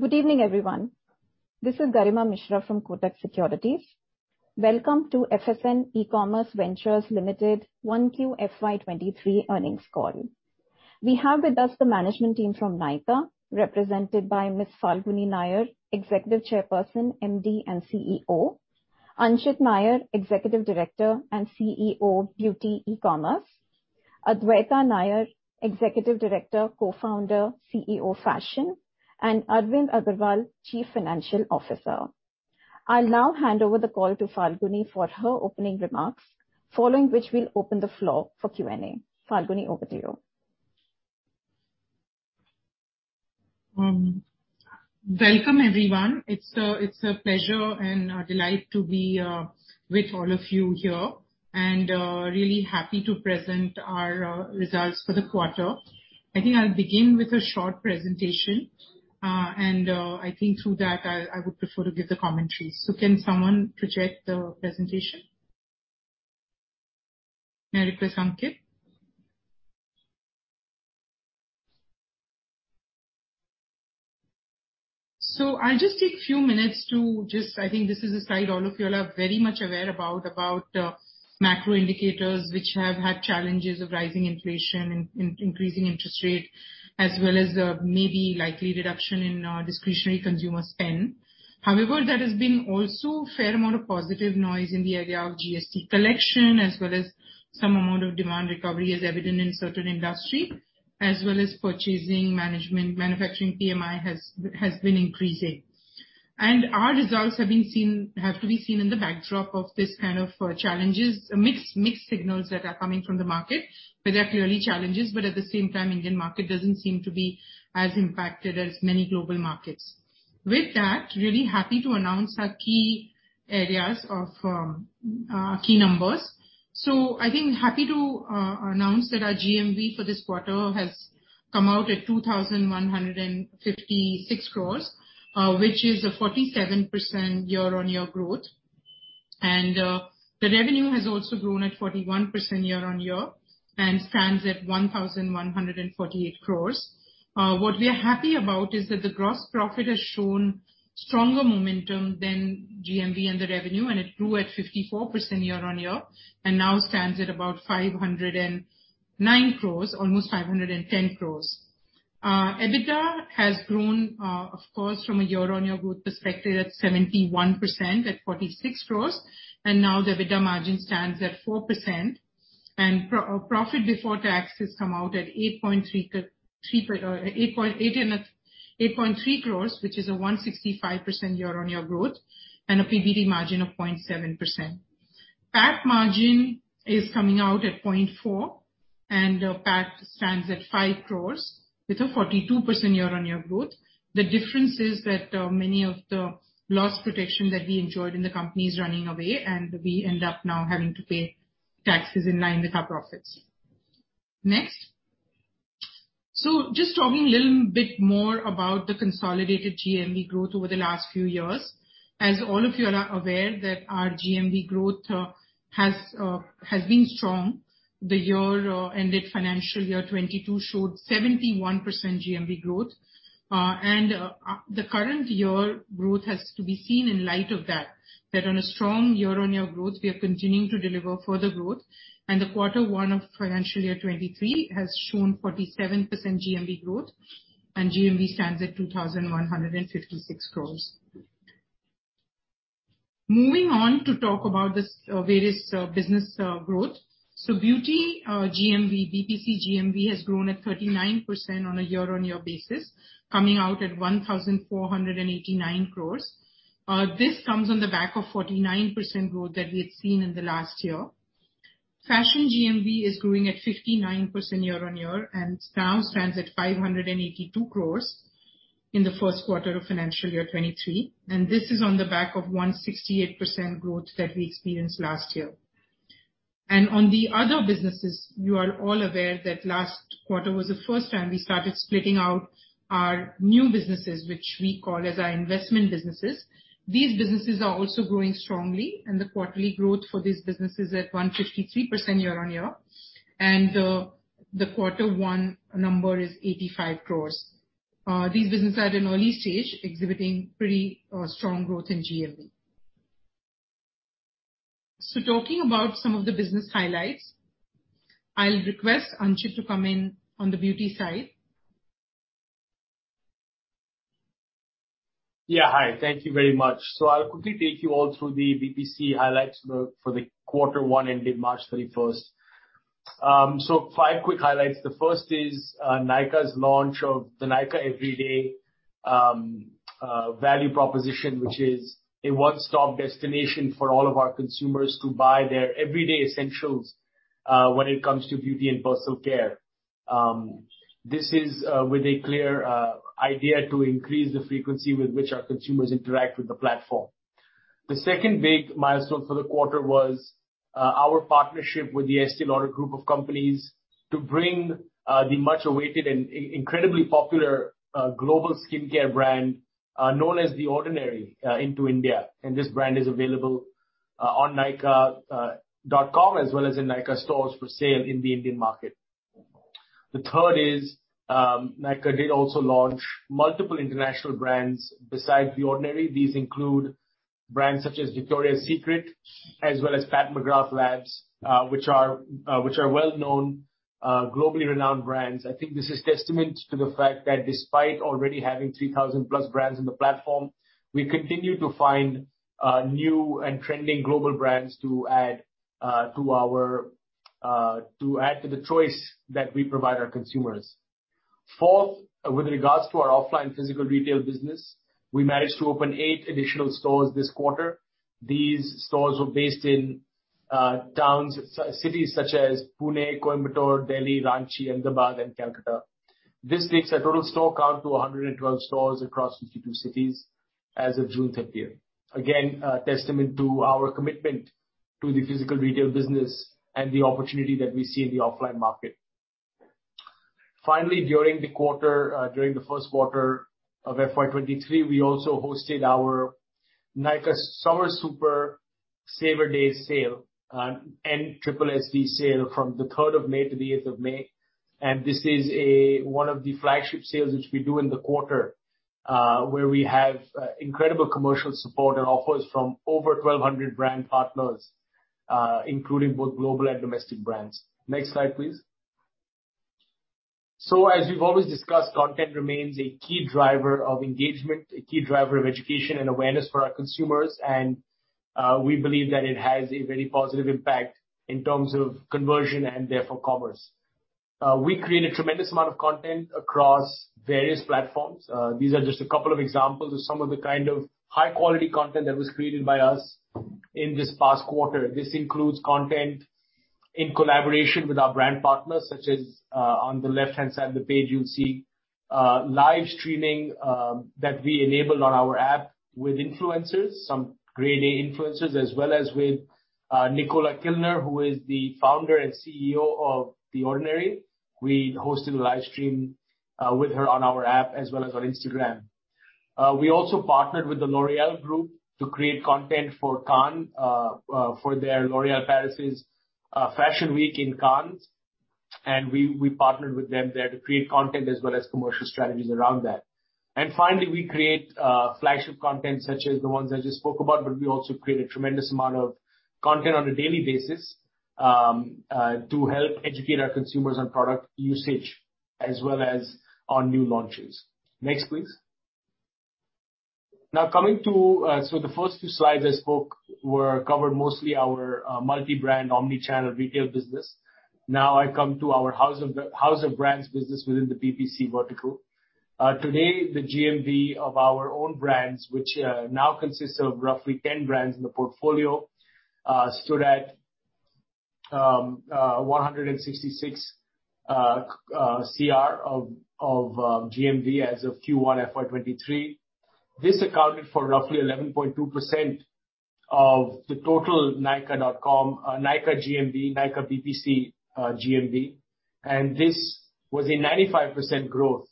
Good evening, everyone. This is Garima Mishra from Kotak Securities. Welcome to FSN E-Commerce Ventures Limited 1Q FY23 earnings call. We have with us the management team from Nykaa, represented by Miss Falguni Nayar, Executive Chairperson, MD and CEO. Anchit Nayar, Executive Director and CEO, Beauty E-Commerce. Adwaita Nayar, Executive Director, Co-founder, CEO, Fashion. And Arvind Agarwal, Chief Financial Officer. I'll now hand over the call to Falguni for her opening remarks, following which we'll open the floor for Q&A. Falguni, over to you. Welcome, everyone. It's a pleasure and a delight to be with all of you here, and really happy to present our results for the quarter. I think I'll begin with a short presentation, and I think through that I would prefer to give the commentary. Can someone project the presentation? May I request Anchit? I'll just take few minutes. I think this is a slide all of you are very much aware about, macro indicators, which have had challenges of rising inflation and increasing interest rate, as well as maybe likely reduction in discretionary consumer spend. However, there has been also fair amount of positive noise in the area of GST collection, as well as some amount of demand recovery as evident in certain industry, as well as purchasing, management, manufacturing PMI has been increasing. Our results have to be seen in the backdrop of this kind of challenges, a mix, mixed signals that are coming from the market. They're clearly challenges, but at the same time, Indian market doesn't seem to be as impacted as many global markets. With that, really happy to announce our key areas of key numbers. I think happy to announce that our GMV for this quarter has come out at 2,156 crores, which is a 47% year-on-year growth. The revenue has also grown at 41% year-on-year and stands at 1,148 crores. What we are happy about is that the gross profit has shown stronger momentum than GMV and the revenue, and it grew at 54% year-on-year, and now stands at about 509 crores, almost 510 crores. EBITDA has grown, of course, from a year-on-year growth perspective at 71% at 46 crores, and now the EBITDA margin stands at 4%. Profit before tax has come out at 8.3 crores, which is a 165% year-on-year growth and a PBT margin of 0.7%. PAT margin is coming out at 0.4%, and PAT stands at 5 crore with a 42% year-on-year growth. The difference is that many of the loss protection that we enjoyed in the company is running away, and we end up now having to pay taxes in line with our profits. Next. Just talking a little bit more about the consolidated GMV growth over the last few years. As all of you are aware that our GMV growth has been strong. The year ended financial year 2022 showed 71% GMV growth. And the current year growth has to be seen in light of that that on a strong year-on-year growth, we are continuing to deliver further growth. The quarter one of financial year 2023 has shown 47% GMV growth, and GMV stands at 2,156 crores. Moving on to talk about this, various, business, growth. Beauty GMV, BPC GMV has grown at 39% on a year-over-year basis, coming out at 1,489 crores. This comes on the back of 49% growth that we had seen in the last year. Fashion GMV is growing at 59% year-over-year and now stands at 582 crores in the first quarter of financial year 2023, and this is on the back of 168% growth that we experienced last year. On the other businesses, you are all aware that last quarter was the first time we started splitting out our new businesses, which we call as our investment businesses. These businesses are also growing strongly, and the quarterly growth for this business is at 153% year-over-year. The quarter one number is 85 crores. These businesses are at an early stage exhibiting pretty strong growth in GMV. Talking about some of the business highlights. I'll request Anchit to come in on the Beauty side. Yeah. Hi. Thank you very much. I'll quickly take you all through the BPC highlights for the quarter one ending March 31st. Five quick highlights. The first is Nykaa's launch of the Nykaa Everyday value proposition, which is a one-stop destination for all of our consumers to buy their everyday essentials when it comes to beauty and personal care. This is with a clear idea to increase the frequency with which our consumers interact with the platform. The second big milestone for the quarter was our partnership with The Estée Lauder Companies to bring the much awaited and incredibly popular global skincare brand known as The Ordinary into India, and this brand is available. On Nykaa.com as well as in Nykaa stores for sale in the Indian market. The third is, Nykaa did also launch multiple international brands besides The Ordinary. These include brands such as Victoria's Secret, as well as Pat McGrath Labs, which are well-known, globally renowned brands. I think this is testament to the fact that despite already having 3,000+ brands in the platform, we continue to find new and trending global brands to add to the choice that we provide our consumers. Fourth, with regards to our offline physical retail business, we managed to open eight additional stores this quarter. These stores were based in towns, cities such as Pune, Coimbatore, Delhi, Ranchi, Ahmedabad, and Kolkata. This takes our total store count to 112 stores across 52 cities as of June 30th. Again, a testament to our commitment to the physical retail business and the opportunity that we see in the offline market. Finally, during the quarter, during the first quarter of FY 2023, we also hosted our Nykaa Summer Super Saver Days Sale, an NSSSD sale from May 3-May 8. This is one of the flagship sales which we do in the quarter, where we have incredible commercial support and offers from over 1,200 brand partners, including both global and domestic brands. Next slide, please. As we've always discussed, content remains a key driver of engagement, a key driver of education and awareness for our consumers. We believe that it has a very positive impact in terms of conversion and therefore commerce. We create a tremendous amount of content across various platforms. These are just a couple of examples of some of the kind of high quality content that was created by us in this past quarter. This includes content in collaboration with our brand partners, such as, on the left-hand side of the page, you'll see, live streaming that we enable on our app with influencers, some grade A influencers, as well as with Nicola Kilner, who is the founder and CEO of The Ordinary. We hosted a live stream with her on our app as well as on Instagram. We also partnered with the L'Oréal Group to create content for Cannes, for their L'Oréal Paris's Fashion Week in Cannes. We partnered with them there to create content as well as commercial strategies around that. Finally, we create flagship content such as the ones I just spoke about, but we also create a tremendous amount of content on a daily basis to help educate our consumers on product usage as well as on new launches. Next, please. Now, coming to the first two slides I spoke were covered mostly our multi-brand omni-channel retail business. I come to our house of brands business within the BPC vertical. Today, the GMV of our own brands, which now consists of roughly 10 brands in the portfolio, stood at 166 crore of GMV as of Q1 FY 2023. This accounted for roughly 11.2% of the total Nykaa.com, Nykaa GMV, Nykaa BPC GMV, and this was a 95% growth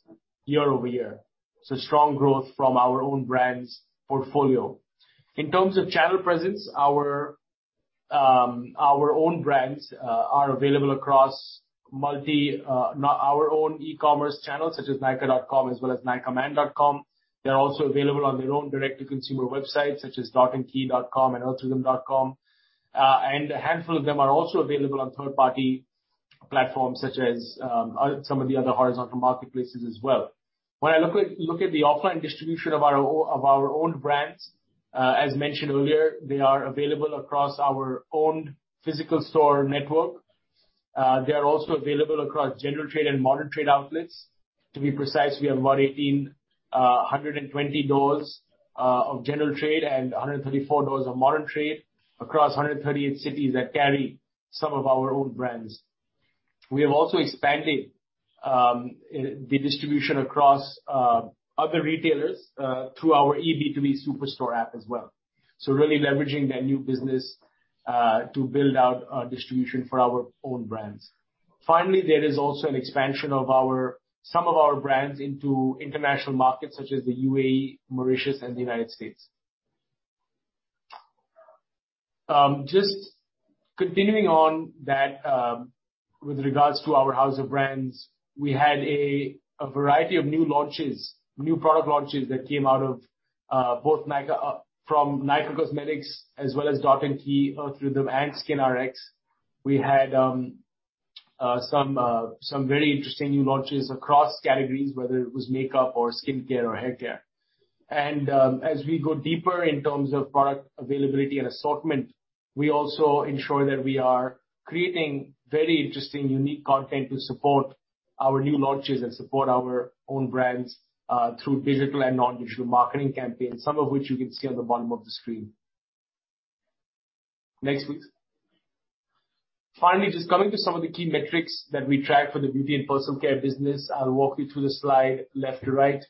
year-over-year. Strong growth from our own brands portfolio. In terms of channel presence, our own brands are available across multiple of our own e-commerce channels such as Nykaa.com as well as Nykaaman.com. They're also available on their own direct-to-consumer websites such as dotandkey.com and earthrhythm.com. A handful of them are also available on third-party platforms such as some of the other horizontal marketplaces as well. When I look at the offline distribution of our own brands, as mentioned earlier, they are available across our own physical store network. They are also available across general trade and modern trade outlets. To be precise, we have more than 1,820 doors of general trade and 134 doors of modern trade across 138 cities that carry some of our own brands. We have also expanded the distribution across other retailers through our eB2B superstore app as well. Really leveraging that new business to build out our distribution for our own brands. Finally, there is also an expansion of some of our brands into international markets such as the UAE, Mauritius, and the United States. Just continuing on that, with regards to our house of brands, we had a variety of new launches, new product launches that came out of both Nykaa from Nykaa Cosmetics as well as Dot & Key, Earth Rhythm, and SKINRX. We had some very interesting new launches across categories, whether it was makeup or skincare or haircare. As we go deeper in terms of product availability and assortment, we also ensure that we are creating very interesting, unique content to support our new launches and support our own brands through digital and non-digital marketing campaigns, some of which you can see on the bottom of the screen. Next, please. Finally, just coming to some of the key metrics that we track for the beauty and personal care business. I'll walk you through the slide left to right.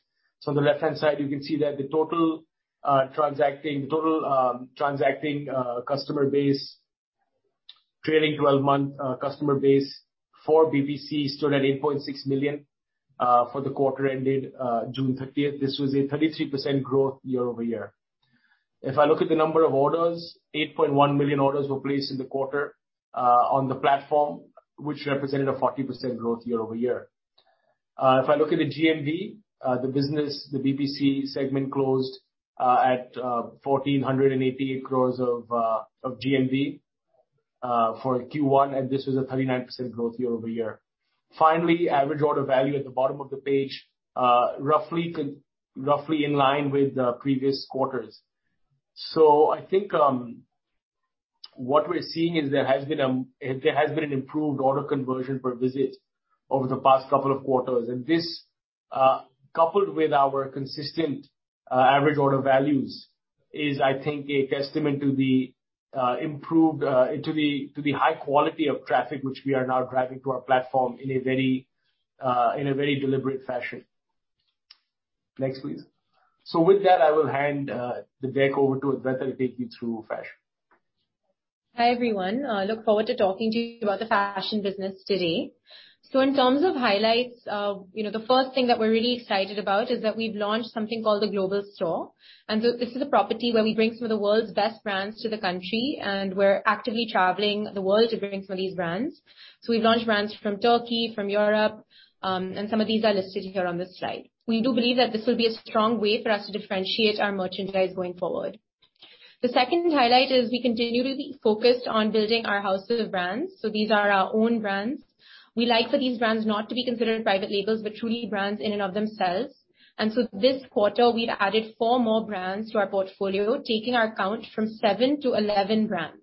On the left-hand side, you can see that the total transacting customer base, trailing 12-month customer base for BPC stood at 8.6 million for the quarter ended June 30th. This was a 33% growth year-over-year. If I look at the number of orders, 8.1 million orders were placed in the quarter on the platform, which represented a 40% growth year-over-year. If I look at the GMV, the business, the BPC segment closed at 1,488 crores of GMV for Q1, and this was a 39% growth year-over-year. Finally, average order value at the bottom of the page roughly in line with the previous quarters. I think what we're seeing is there has been an improved order conversion per visit over the past couple of quarters. This, coupled with our consistent average order values is, I think, a testament to the improved high quality of traffic which we are now driving to our platform in a very deliberate fashion. Next, please. With that, I will hand the deck over to Adwaita, who'll take you through fashion. Hi, everyone. I look forward to talking to you about the fashion business today. In terms of highlights, you know, the first thing that we're really excited about is that we've launched something called the Global Store. This is a property where we bring some of the world's best brands to the country, and we're actively traveling the world to bring some of these brands. We've launched brands from Turkey, from Europe, and some of these are listed here on this slide. We do believe that this will be a strong way for us to differentiate our merchandise going forward. The second highlight is we continue to be focused on building our house of brands, so these are our own brands. We like for these brands not to be considered private labels, but truly brands in and of themselves. This quarter, we've added four more brands to our portfolio, taking our count from seven to 11 brands.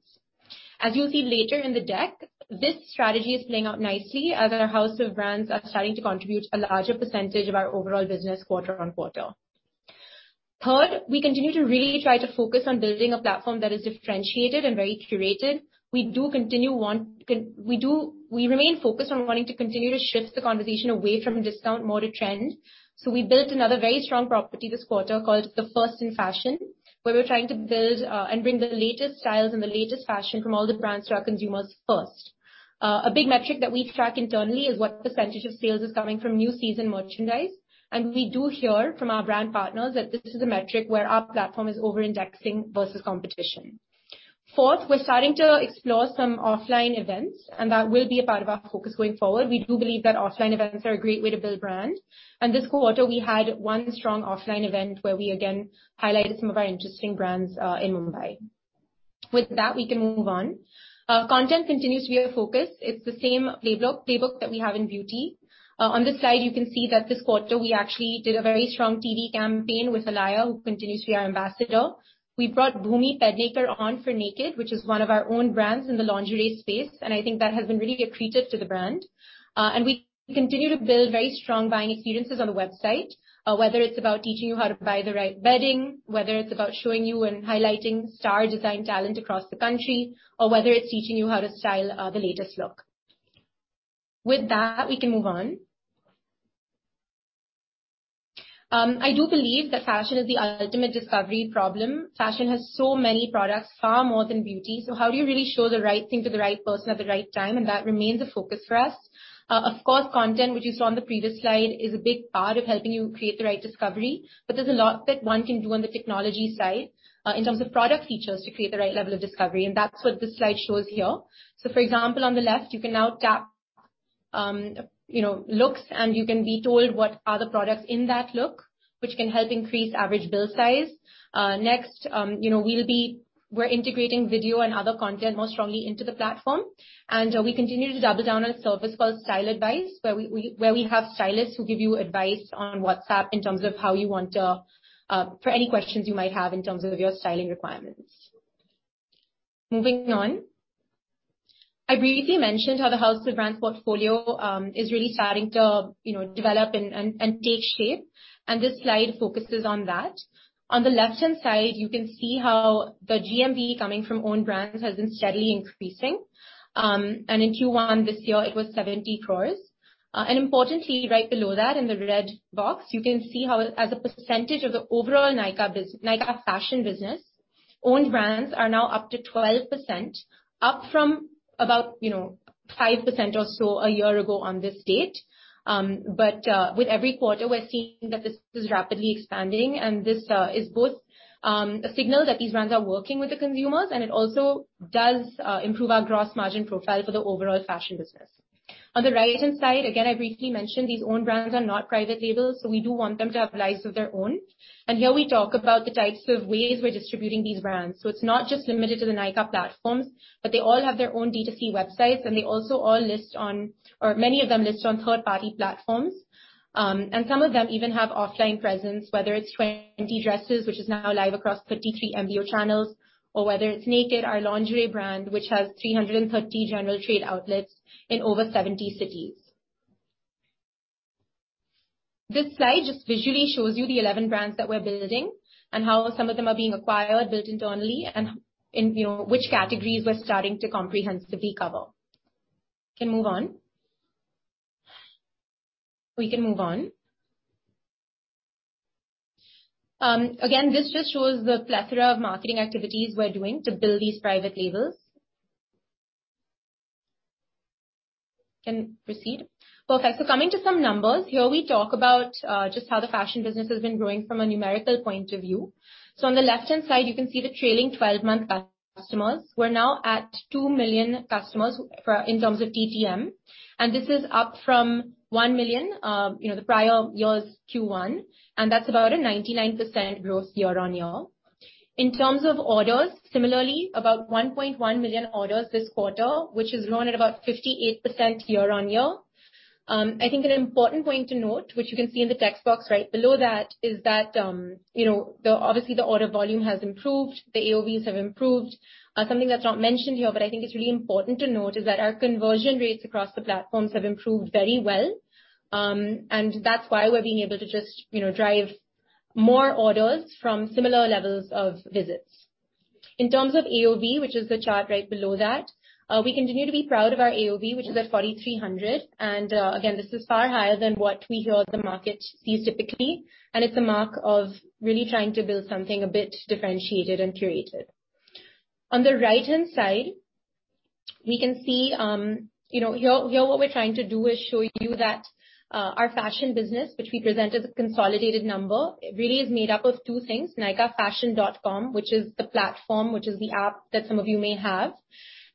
As you'll see later in the deck, this strategy is playing out nicely as our house of brands are starting to contribute a larger percentage of our overall business quarter on quarter. Third, we continue to really try to focus on building a platform that is differentiated and very curated. We remain focused on wanting to continue to shift the conversation away from a discount more to trend. We built another very strong property this quarter called First in Fashion, where we're trying to build and bring the latest styles and the latest fashion from all the brands to our consumers first. A big metric that we track internally is what percentage of sales is coming from new season merchandise, and we do hear from our brand partners that this is a metric where our platform is over-indexing versus competition. Fourth, we're starting to explore some offline events, and that will be a part of our focus going forward. We do believe that offline events are a great way to build brand. This quarter, we had one strong offline event where we again highlighted some of our interesting brands in Mumbai. With that, we can move on. Content continues to be our focus. It's the same playbook that we have in beauty. On this slide, you can see that this quarter we actually did a very strong TV campaign with Alaya, who continues to be our ambassador. We brought Bhumi Pednekar on for Nykd, which is one of our own brands in the lingerie space, and I think that has been really accretive to the brand. We continue to build very strong buying experiences on the website, whether it's about teaching you how to buy the right bedding, whether it's about showing you and highlighting star design talent across the country, or whether it's teaching you how to style the latest look. With that, we can move on. I do believe that fashion is the ultimate discovery problem. Fashion has so many products, far more than beauty. So how do you really show the right thing to the right person at the right time? That remains a focus for us. Of course, content, which you saw on the previous slide, is a big part of helping you create the right discovery. There's a lot that one can do on the technology side, in terms of product features to create the right level of discovery, and that's what this slide shows here. For example, on the left, you can now tap, you know, looks, and you can be told what are the products in that look, which can help increase average bill size. Next, you know, we're integrating video and other content more strongly into the platform, and we continue to double down on a service called Style Advice, where we have stylists who give you advice on WhatsApp in terms of how you want to. For any questions you might have in terms of your styling requirements. Moving on. I briefly mentioned how the House of Brands portfolio is really starting to, you know, develop and take shape, and this slide focuses on that. On the left-hand side, you can see how the GMV coming from own brands has been steadily increasing. In Q1 this year, it was 70 crores. Importantly, right below that in the red box, you can see how as a percentage of the overall Nykaa Fashion business, own brands are now up to 12%, up from about, you know, 5% or so a year ago on this date. With every quarter, we're seeing that this is rapidly expanding, and this is both a signal that these brands are working with the consumers, and it also does improve our gross margin profile for the overall fashion business. On the right-hand side, again, I briefly mentioned these own brands are not private labels, so we do want them to have lives of their own. Here we talk about the types of ways we're distributing these brands. It's not just limited to the Nykaa platforms, but they all have their own D2C websites, and many of them list on third-party platforms. Some of them even have offline presence, whether it's Twenty Dresses, which is now live across 33 MBO channels, or whether it's Nykd, our lingerie brand, which has 330 general trade outlets in over 70 cities. This slide just visually shows you the 11 brands that we're building and how some of them are being acquired, built internally, and you know, which categories we're starting to comprehensively cover. Can move on. We can move on. Again, this just shows the plethora of marketing activities we're doing to build these private labels. Can proceed? Perfect. Coming to some numbers. Here we talk about just how the fashion business has been growing from a numerical point of view. On the left-hand side, you can see the trailing twelve-month customers. We're now at two million customers for... In terms of TTM, this is up from one million, you know, the prior year's Q1, and that's about a 99% growth year-on-year. In terms of orders, similarly, about 1.1 million orders this quarter, which has grown at about 58% year-on-year. I think an important point to note, which you can see in the text box right below that, is that, you know, obviously the order volume has improved, the AOV's have improved. Something that's not mentioned here, but I think it's really important to note, is that our conversion rates across the platforms have improved very well. That's why we're being able to just, you know, drive more orders from similar levels of visits. In terms of AOV, which is the chart right below that, we continue to be proud of our AOV, which is at 4,300, and again, this is far higher than what we hear the market sees typically, and it's a mark of really trying to build something a bit differentiated and curated. On the right-hand side, we can see you know here what we're trying to do is show you that our fashion business, which we present as a consolidated number, really is made up of two things. Nykaafashion.com, which is the platform, which is the app that some of you may have.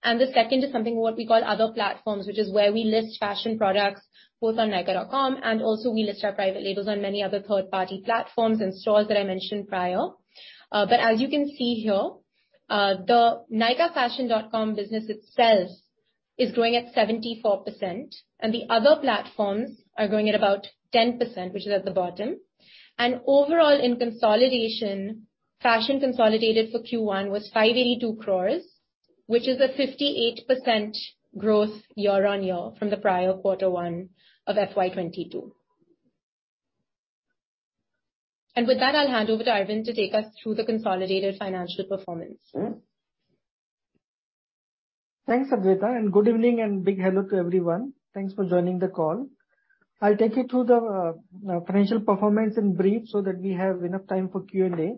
The second is something what we call other platforms, which is where we list fashion products both on Nykaa.com, and also we list our private labels on many other third-party platforms and stores that I mentioned prior. As you can see here, the Nykaafashion.com business itself is growing at 74%, and the other platforms are growing at about 10%, which is at the bottom. Overall, in consolidation, fashion consolidated for Q1 was 582 crore, which is a 58% growth year-on-year from the prior Q1 of FY 2022. With that, I'll hand over to Arvind to take us through the consolidated financial performance. Thanks, Adwaita, and good evening and big hello to everyone. Thanks for joining the call. I'll take you through the financial performance in brief so that we have enough time for Q&A.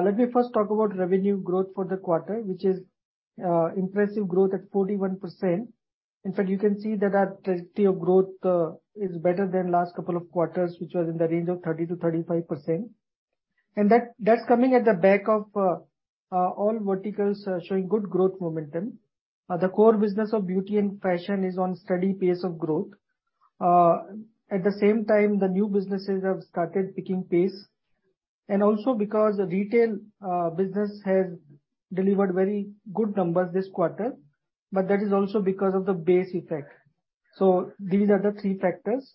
Let me first talk about revenue growth for the quarter, which is impressive growth at 41%. In fact, you can see that our trajectory of growth is better than last couple of quarters, which was in the range of 30%-35%. That's coming at the back of all verticals showing good growth momentum. The core business of beauty and fashion is on steady pace of growth. At the same time, the new businesses have started picking pace. Also because the retail business has delivered very good numbers this quarter, but that is also because of the base effect. These are the three factors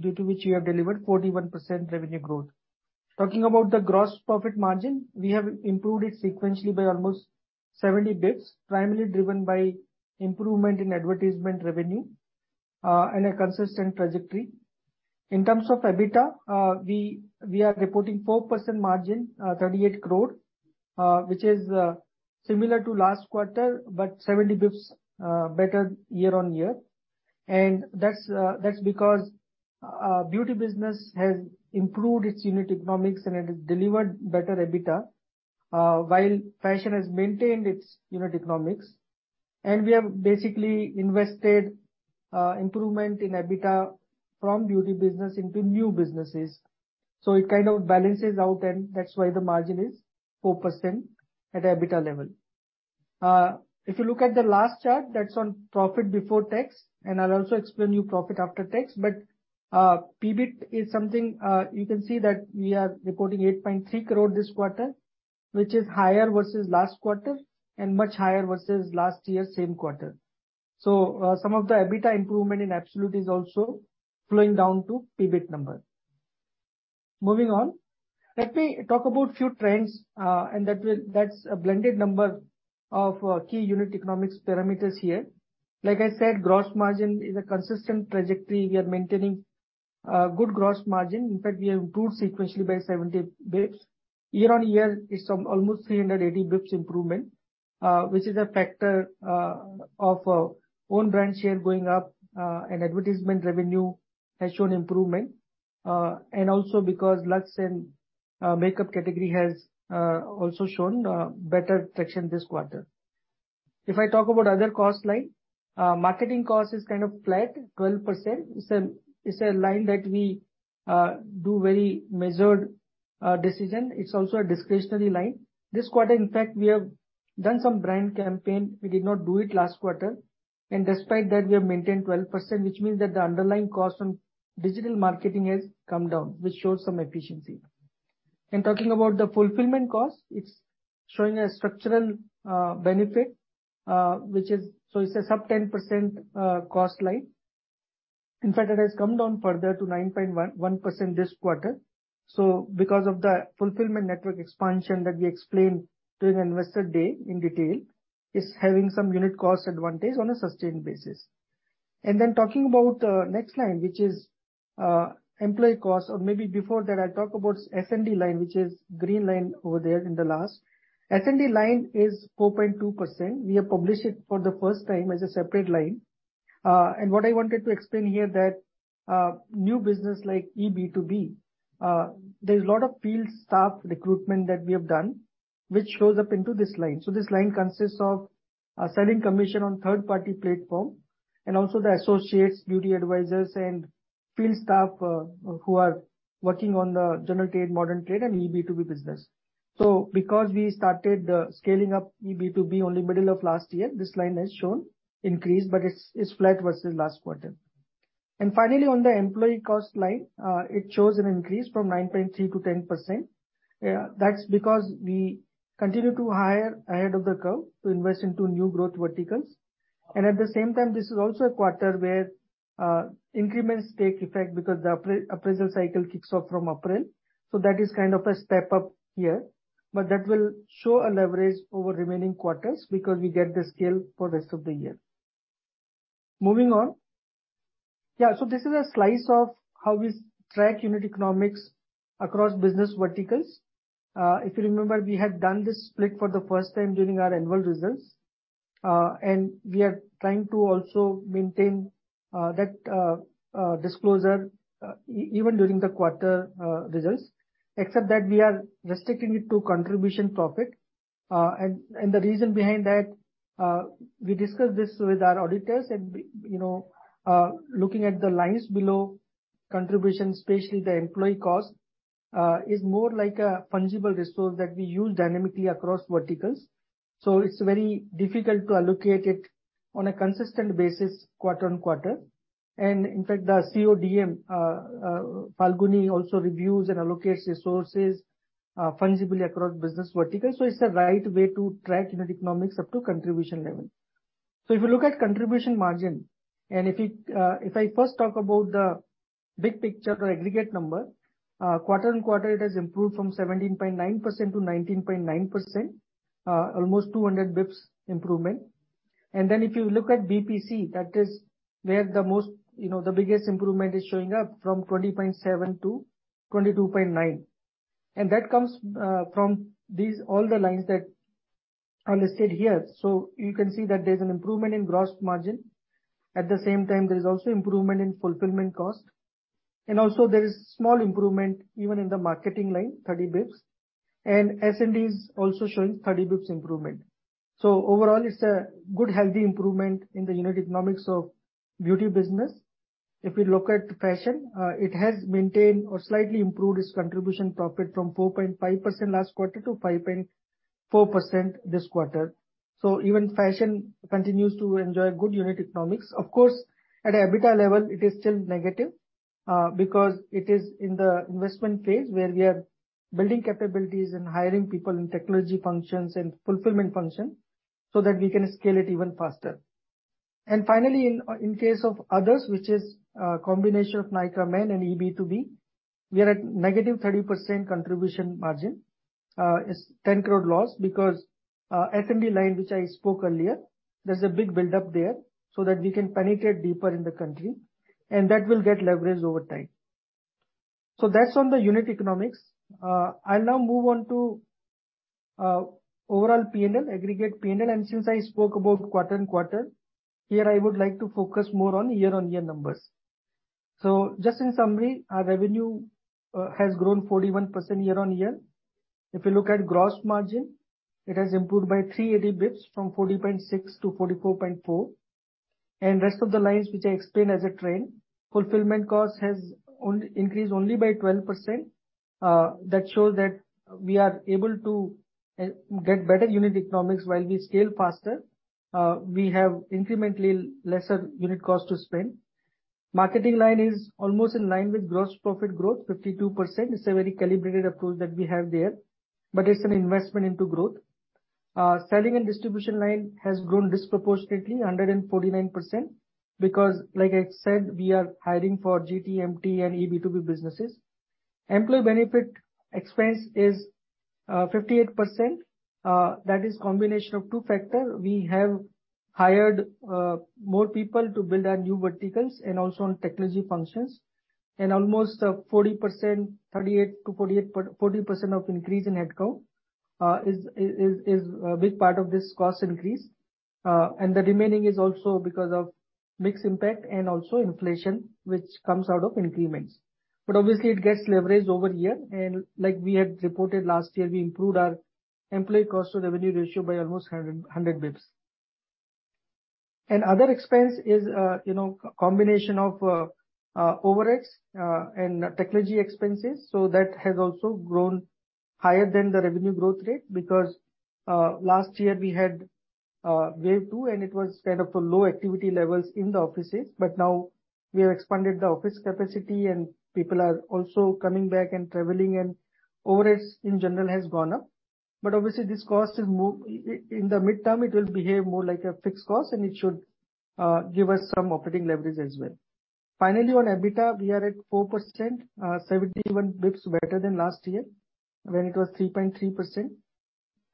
due to which we have delivered 41% revenue growth. Talking about the gross profit margin, we have improved it sequentially by almost 70 basis points, primarily driven by improvement in advertisement revenue and a consistent trajectory. In terms of EBITDA, we are reporting 4% margin, 38 crore, which is similar to last quarter, but 70 basis points better year-on-year. That's because beauty business has improved its unit economics and it has delivered better EBITDA while fashion has maintained its unit economics. We have basically invested improvement in EBITDA from beauty business into new businesses. It kind of balances out, and that's why the margin is 4% at EBITDA level. If you look at the last chart, that's on profit before tax, and I'll also explain to you profit after tax. PBT is something you can see that we are reporting 8.3 crore this quarter, which is higher versus last quarter and much higher versus last year same quarter. Some of the EBITDA improvement in absolute is also flowing down to PBT number. Moving on. Let me talk about few trends, and that's a blended number of key unit economics parameters here. Like I said, gross margin is a consistent trajectory. We are maintaining good gross margin. In fact, we have improved sequentially by 70 basis points. Year-on-year it's some almost 380 basis points improvement, which is a factor of own brand share going up, and advertisement revenue has shown improvement. Also because Luxe and Makeup category has also shown better traction this quarter. If I talk about other cost line, marketing cost is kind of flat, 12%. It's a line that we do very measured decision. It's also a discretionary line. This quarter, in fact, we have done some brand campaign. We did not do it last quarter. Despite that, we have maintained 12%, which means that the underlying cost on digital marketing has come down, which shows some efficiency. In talking about the fulfillment cost, it's showing a structural benefit. So it's a sub-10% cost line. In fact, it has come down further to 9.11% this quarter. Because of the fulfillment network expansion that we explained during Investor Day in detail, is having some unit cost advantage on a sustained basis. Talking about next line, which is employee cost, or maybe before that I'll talk about S&D line, which is green line over there in the last. S&D line is 4.2%. We have published it for the first time as a separate line. What I wanted to explain here, that new business like eB2B, there's a lot of field staff recruitment that we have done, which shows up into this line. This line consists of selling commission on third party platform and also the associates, beauty advisors and field staff who are working on the general trade, modern trade and eB2B business. Because we started the scaling up eEB2B only middle of last year, this line has shown increase, but it's flat versus last quarter. Finally, on the employee cost line, it shows an increase from 9.3%-10%. That's because we continue to hire ahead of the curve to invest into new growth verticals. At the same time, this is also a quarter where increments take effect because the appraisal cycle kicks off from April. That is kind of a step up here, but that will show a leverage over remaining quarters because we get the scale for rest of the year. Moving on. Yeah. This is a slice of how we track unit economics across business verticals. If you remember, we had done this split for the first time during our annual results. We are trying to also maintain that disclosure even during the quarter results, except that we are restricting it to contribution profit. The reason behind that we discussed this with our auditors. You know, looking at the lines below contribution, especially the employee cost, is more like a fungible resource that we use dynamically across verticals. It's very difficult to allocate it on a consistent basis quarter-over-quarter. In fact, the CODM, Falguni also reviews and allocates resources fungibly across business verticals. It's the right way to track unit economics up to contribution level. If you look at contribution margin, if I first talk about the big picture or aggregate number, quarter on quarter, it has improved from 17.9%-19.9%, almost 200 bps improvement. Then if you look at BPC, that is where the most, you know, the biggest improvement is showing up from 20.7%-22.9%. That comes from these all the lines that are listed here. You can see that there's an improvement in gross margin. At the same time, there is also improvement in fulfillment cost. Also there is small improvement even in the marketing line, 30 bps, and S&D is also showing 30 bps improvement. Overall, it's a good, healthy improvement in the unit economics of Beauty business. If you look at fashion, it has maintained or slightly improved its contribution profit from 4.5% last quarter to 5.4% this quarter. Even fashion continues to enjoy good unit economics. Of course, at EBITDA level it is still negative, because it is in the investment phase where we are building capabilities and hiring people in technology functions and fulfillment function so that we can scale it even faster. Finally, in case of others, which is a combination of Nykaa Man and eB2B, we are at -30% contribution margin. It's 10 crore loss because, S&D line, which I spoke earlier, there's a big buildup there so that we can penetrate deeper in the country and that will get leverage over time. That's on the unit economics. I'll now move on to overall P&L, aggregate P&L. Since I spoke about quarter-on-quarter, here I would like to focus more on year-on-year numbers. Just in summary, our revenue has grown 41% year-on-year. If you look at gross margin, it has improved by 380 basis points from 40.6%-44.4%. Rest of the lines which I explained as a trend, fulfillment cost has increased only by 12%. That shows that we are able to get better unit economics while we scale faster. We have incrementally lesser unit cost to spend. Marketing line is almost in line with gross profit growth, 52%. It's a very calibrated approach that we have there, but it's an investment into growth. Selling and distribution line has grown disproportionately 149% because like I said, we are hiring for GT, MT and eB2B businesses. Employee benefit expense is 58%. That is combination of two factors. We have hired more people to build our new verticals and also on technology functions. Almost 40%, 38%-40% of increase in headcount is a big part of this cost increase. The remaining is also because of mix impact and also inflation, which comes out of increments. Obviously it gets leveraged over year. Like we had reported last year, we improved our employee cost to revenue ratio by almost 100 bps. Other expense is, you know, combination of overhead and technology expenses. That has also grown higher than the revenue growth rate because last year we had wave two, and it was kind of a low activity levels in the offices. Now we have expanded the office capacity and people are also coming back and traveling, and average in general has gone up. Obviously, in the midterm it will behave more like a fixed cost, and it should give us some operating leverage as well. Finally, on EBITDA, we are at 4%, 71 bps better than last year when it was 3.3%.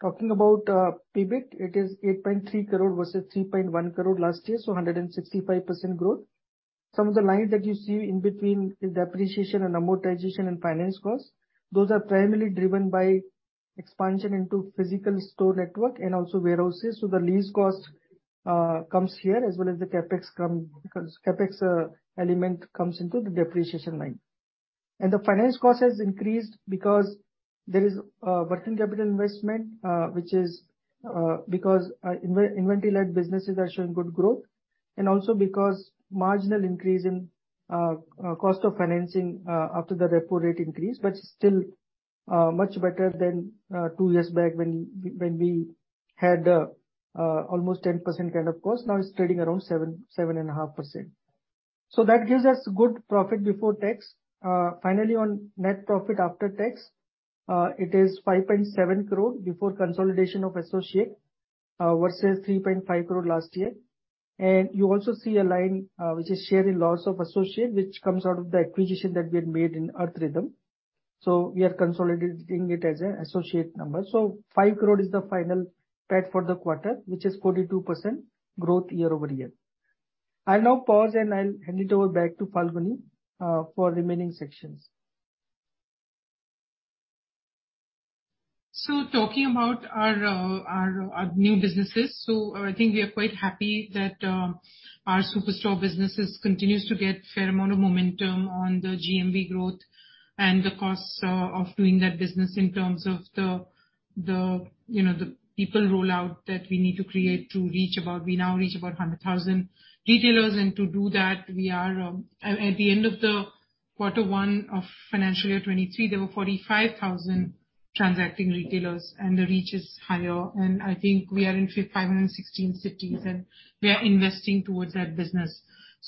Talking about PBT, it is 8.3 crore versus 3.1 crore last year, so 165% growth. Some of the lines that you see in between the depreciation and amortization and finance costs, those are primarily driven by expansion into physical store network and also warehouses. The lease cost comes here, as well as the CapEx come, because CapEx element comes into the depreciation line. The finance cost has increased because there is working capital investment, which is because inventory-led businesses are showing good growth, and also because marginal increase in cost of financing after the repo rate increase, but still much better than two years back when we had almost 10% kind of cost. Now it's trading around 7.5%. That gives us good profit before tax. Finally, on net profit after tax, it is 5.7 crore before consolidation of associate, versus 3.5 crore last year. You also see a line, which is share of loss of associate, which comes out of the acquisition that we had made in Earth Rhythm. We are consolidating it as an associate number. 5 crore is the final PAT for the quarter, which is 42% growth year-over-year. I'll now pause, and I'll hand it over back to Falguni, for remaining sections. Talking about our new businesses. I think we are quite happy that our Superstore business continues to get fair amount of momentum on the GMV growth and the costs of doing that business in terms of the you know the people rollout that we need to create to reach about. We now reach about 100,000 retailers. To do that, we are. At the end of quarter one of financial year 2023, there were 45,000 transacting retailers, and the reach is higher. I think we are in 516 cities, and we are investing towards that business.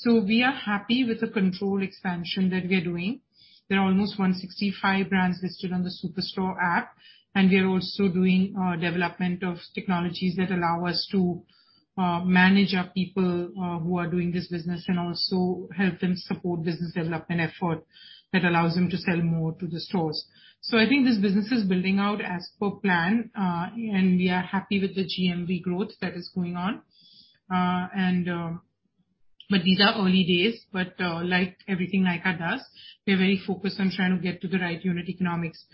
We are happy with the controlled expansion that we're doing. There are almost 165 brands listed on the SuperStore app, and we are also doing development of technologies that allow us to manage our people who are doing this business and also help them support business development effort that allows them to sell more to the stores. I think this business is building out as per plan, and we are happy with the GMV growth that is going on. These are early days. Like everything Nykaa does, we're very focused on trying to get to the right unit economics.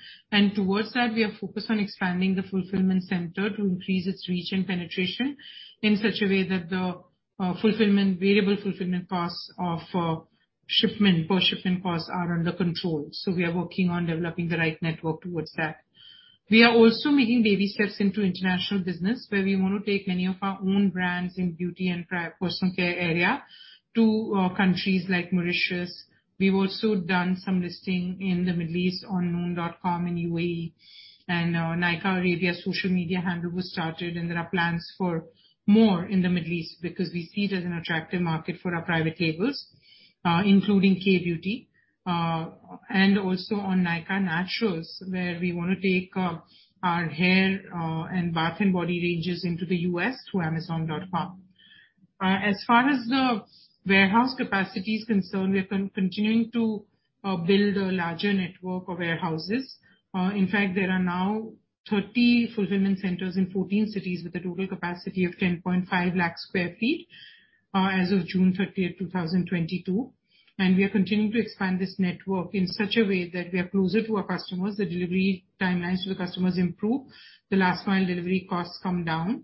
Towards that, we are focused on expanding the fulfillment center to increase its reach and penetration in such a way that the fulfillment, variable fulfillment costs of shipment, per shipment costs are under control. We are working on developing the right network towards that. We are also making baby steps into international business, where we wanna take many of our own brands in beauty and personal care area to countries like Mauritius. We've also done some listing in the Middle East on noon.com in UAE. Nykaa Arabia social media handle was started, and there are plans for more in the Middle East, because we see it as an attractive market for our private labels, including K-Beauty. Also on Nykaa Naturals, where we wanna take our hair and bath and body ranges into the U.S. through Amazon.com. As far as the warehouse capacity is concerned, we are continuing to build a larger network of warehouses. In fact, there are now 30 fulfillment centers in 14 cities with a total capacity of 10.5 lakh sq ft, as of June 30, 2022. We are continuing to expand this network in such a way that we are closer to our customers, the delivery timelines to the customers improve, the last mile delivery costs come down.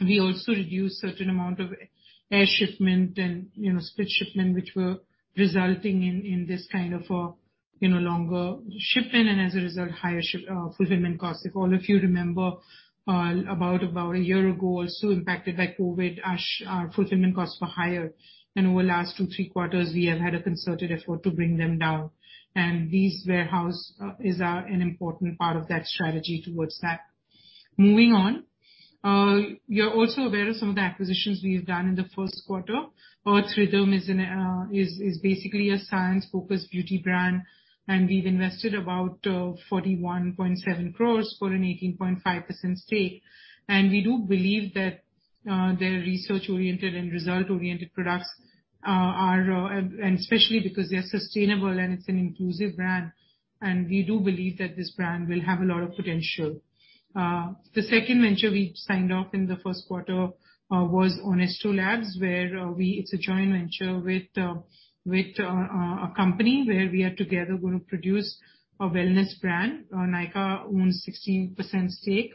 We also reduce certain amount of air shipment and split shipment, which were resulting in this kind of longer shipping and as a result, higher shipping fulfillment costs. If all of you remember, about a year ago or so, impacted by COVID, our fulfillment costs were higher. Over last two, three quarters, we have had a concerted effort to bring them down. These warehouses are an important part of that strategy toward that. Moving on. You're also aware of some of the acquisitions we've done in the first quarter. Earth Rhythm is basically a science-focused beauty brand, and we've invested about 41.7 crores for an 18.5% stake. We do believe that their research-oriented and result-oriented products are, and especially because they are sustainable and it's an inclusive brand, and we do believe that this brand will have a lot of potential. The second venture we signed off in the first quarter was Onesto Labs. It's a joint venture with a company where we are together gonna produce a wellness brand. Nykaa owns 16% stake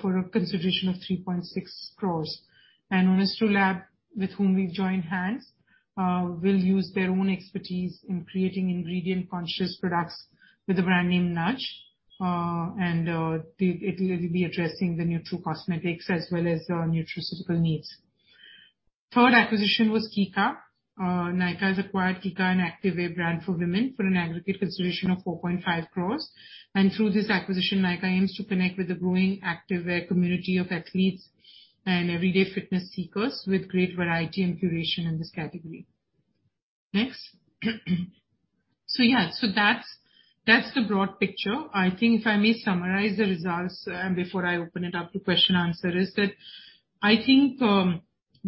for a consideration of 3.6 crores. Onesto Lab, with whom we've joined hands, will use their own expertise in creating ingredient-conscious products with the brand name Nudge. It will be addressing the nutricosmetics as well as nutraceutical needs. Third acquisition was Kica. Nykaa has acquired Kica, an activewear brand for women, for an aggregate consideration of 4.5 crores. Through this acquisition, Nykaa aims to connect with the growing activewear community of athletes and everyday fitness seekers with great variety and curation in this category. Next. Yeah, that's the broad picture. I think if I may summarize the results before I open it up to Q&A, is that I think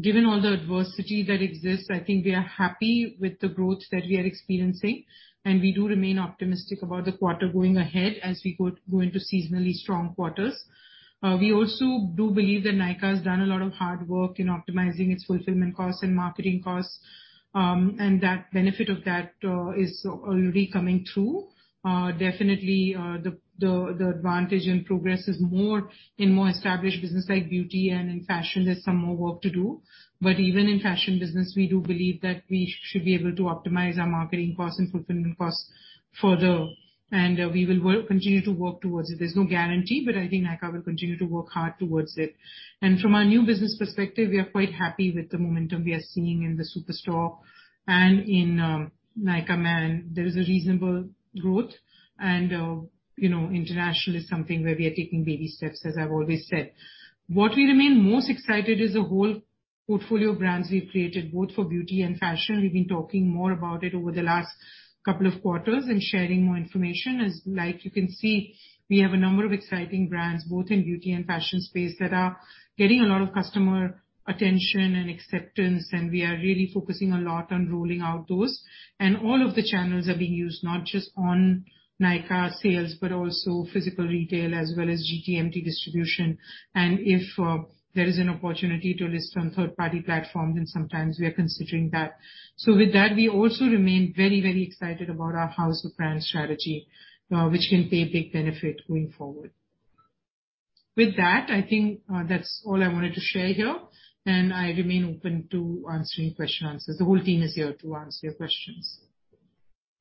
given all the adversity that exists, I think we are happy with the growth that we are experiencing, and we do remain optimistic about the quarter going ahead as we go into seasonally strong quarters. We also do believe that Nykaa has done a lot of hard work in optimizing its fulfillment costs and marketing costs, and that benefit of that is already coming through. Definitely, the advantage and progress is more in established business like beauty and in fashion, there's some more work to do. Even in fashion business, we do believe that we should be able to optimize our marketing costs and fulfillment costs further, and we will continue to work towards it. There's no guarantee, but I think Nykaa will continue to work hard towards it. From a new business perspective, we are quite happy with the momentum we are seeing in the SuperStore and in Nykaa Man. There is a reasonable growth and you know, international is something where we are taking baby steps, as I've always said. What we remain most excited is the whole portfolio of brands we've created, both for beauty and fashion. We've been talking more about it over the last couple of quarters and sharing more information. As like you can see, we have a number of exciting brands both in beauty and fashion space that are getting a lot of customer attention and acceptance, and we are really focusing a lot on rolling out those. All of the channels are being used, not just on Nykaa sales, but also physical retail as well as GT/MT distribution. If there is an opportunity to list on third-party platforms, then sometimes we are considering that. With that, we also remain very, very excited about our house of brands strategy, which can pay a big benefit going forward. With that, I think, that's all I wanted to share here, and I remain open to answering question answers. The whole team is here to answer your questions.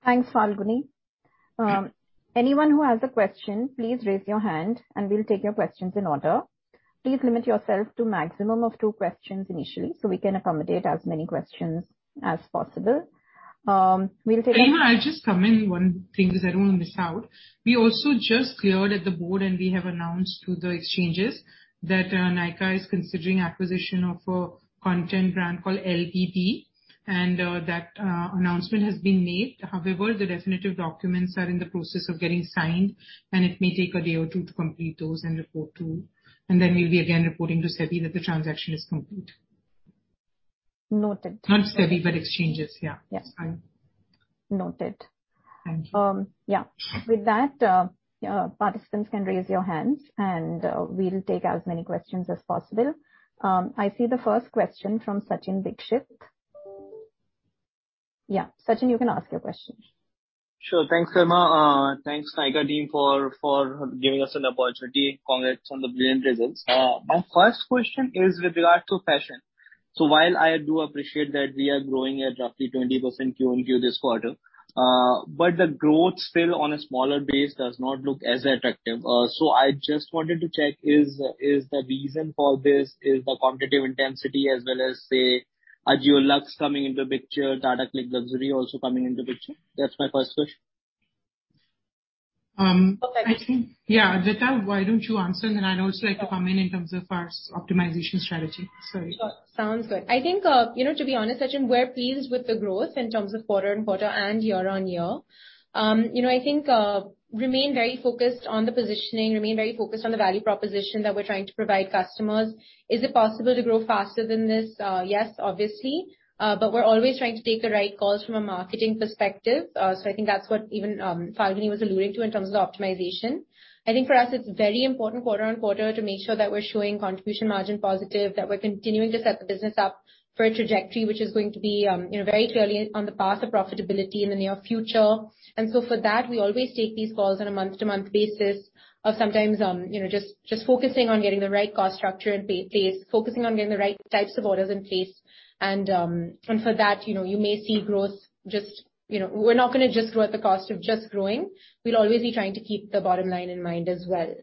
Thanks, Falguni. Yeah. Anyone who has a question, please raise your hand and we'll take your questions in order. Please limit yourself to maximum of two questions initially, so we can accommodate as many questions as possible. Garima, I'll just come in. One thing is I don't wanna miss out. We also just cleared at the board, and we have announced through the exchanges that Nykaa is considering acquisition of a content brand called LBB, and that announcement has been made. However, the definitive documents are in the process of getting signed, and it may take a day or two to complete those and report to SEBI. We'll be again reporting to SEBI that the transaction is complete. Noted. Not SEBI, but exchanges. Yeah. Yes. I'm... Noted. Thank you. With that, participants can raise your hands, and we'll take as many questions as possible. I see the first question from Sachin Dixit. Yeah. Sachin, you can ask your question. Sure. Thanks, Garima. Thanks Nykaa team for giving us an opportunity. Congrats on the brilliant results. My first question is with regard to fashion. While I do appreciate that we are growing at roughly 20% Q-on-Q this quarter, but the growth still on a smaller base does not look as attractive. I just wanted to check, is the reason for this the competitive intensity as well as, say, Ajio Luxe coming into picture, Tata CLiQ Luxury also coming into picture? That's my first question. I think. Okay. Yeah. Adwaita, why don't you answer, and then I'd also like to come in terms of our optimization strategy. Sorry. Sure. Sounds good. I think, you know, to be honest, Sachin, we're pleased with the growth in terms of quarter-on-quarter and year-on-year. You know, I think, remain very focused on the positioning, remain very focused on the value proposition that we're trying to provide customers. Is it possible to grow faster than this? Yes, obviously. We're always trying to take the right calls from a marketing perspective. I think that's what even, Falguni was alluding to in terms of optimization. I think for us it's very important quarter-on-quarter to make sure that we're showing contribution margin positive, that we're continuing to set the business up for a trajectory which is going to be, you know, very clearly on the path of profitability in the near future. For that, we always take these calls on a month-to-month basis of sometimes just focusing on getting the right cost structure in place, focusing on getting the right types of orders in place and for that, you may see growth just. We're not gonna just grow at the cost of just growing. We'll always be trying to keep the bottom line in mind as well.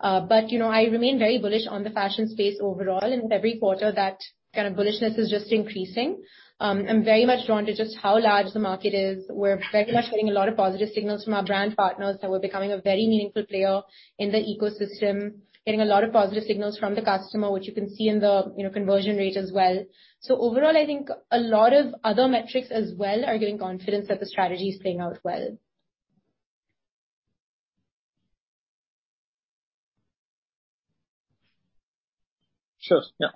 I remain very bullish on the fashion space overall, and every quarter that kind of bullishness is just increasing. I'm very much drawn to just how large the market is. We're very much getting a lot of positive signals from our brand partners that we're becoming a very meaningful player in the ecosystem. Getting a lot of positive signals from the customer, which you can see in the, you know, conversion rate as well. Overall, I think a lot of other metrics as well are giving confidence that the strategy is playing out well. Sure. Yeah.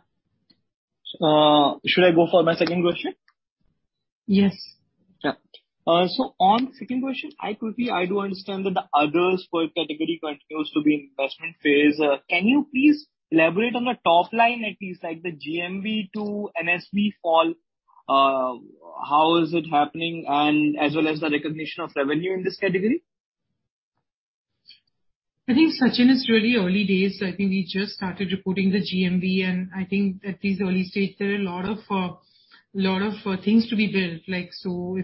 Should I go for my second question? Yes. On second question, I do understand that the other fashion category continues to be investment phase. Can you please elaborate on the top line, at least like the GMV to NSV fall? How is it happening and as well as the recognition of revenue in this category? I think, Sachin, it's really early days. I think we just started reporting the GMV, and I think at this early stage there are a lot of things to be built. Like,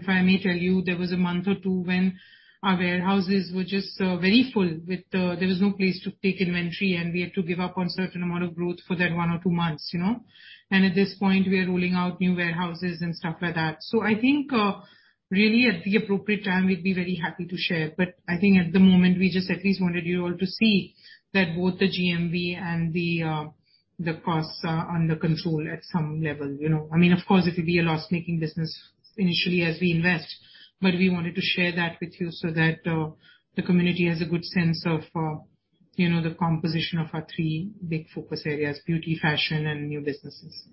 if I may tell you, there was a month or two when our warehouses were just very full. There was no place to take inventory, and we had to give up on certain amount of growth for that one or two months, you know. At this point, we are rolling out new warehouses and stuff like that. I think really at the appropriate time we'd be very happy to share. I think at the moment we just at least wanted you all to see that both the GMV and the costs are under control at some level, you know. I mean, of course it will be a loss-making business initially as we invest, but we wanted to share that with you so that, the community has a good sense of, you know, the composition of our three big focus areas, beauty, fashion, and new businesses.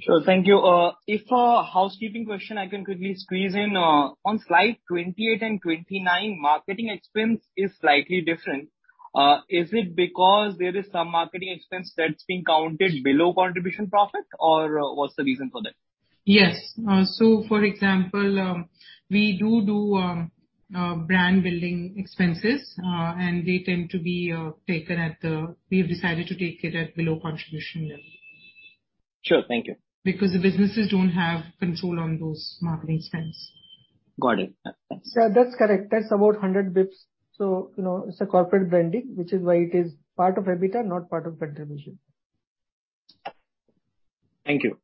Sure. Thank you. If a housekeeping question I can quickly squeeze in, on slide 28 and 29, marketing expense is slightly different. Is it because there is some marketing expense that's being counted below contribution profit or what's the reason for that? Yes. For example, we do brand building expenses. We have decided to take it at below contribution level. Sure. Thank you. Because the businesses don't have control on those marketing spends. Got it. Yeah. Thanks. Sir, that's correct. That's about 100 basis points, so, you know, it's a corporate branding, which is why it is part of EBITDA, not part of contribution. Thank you.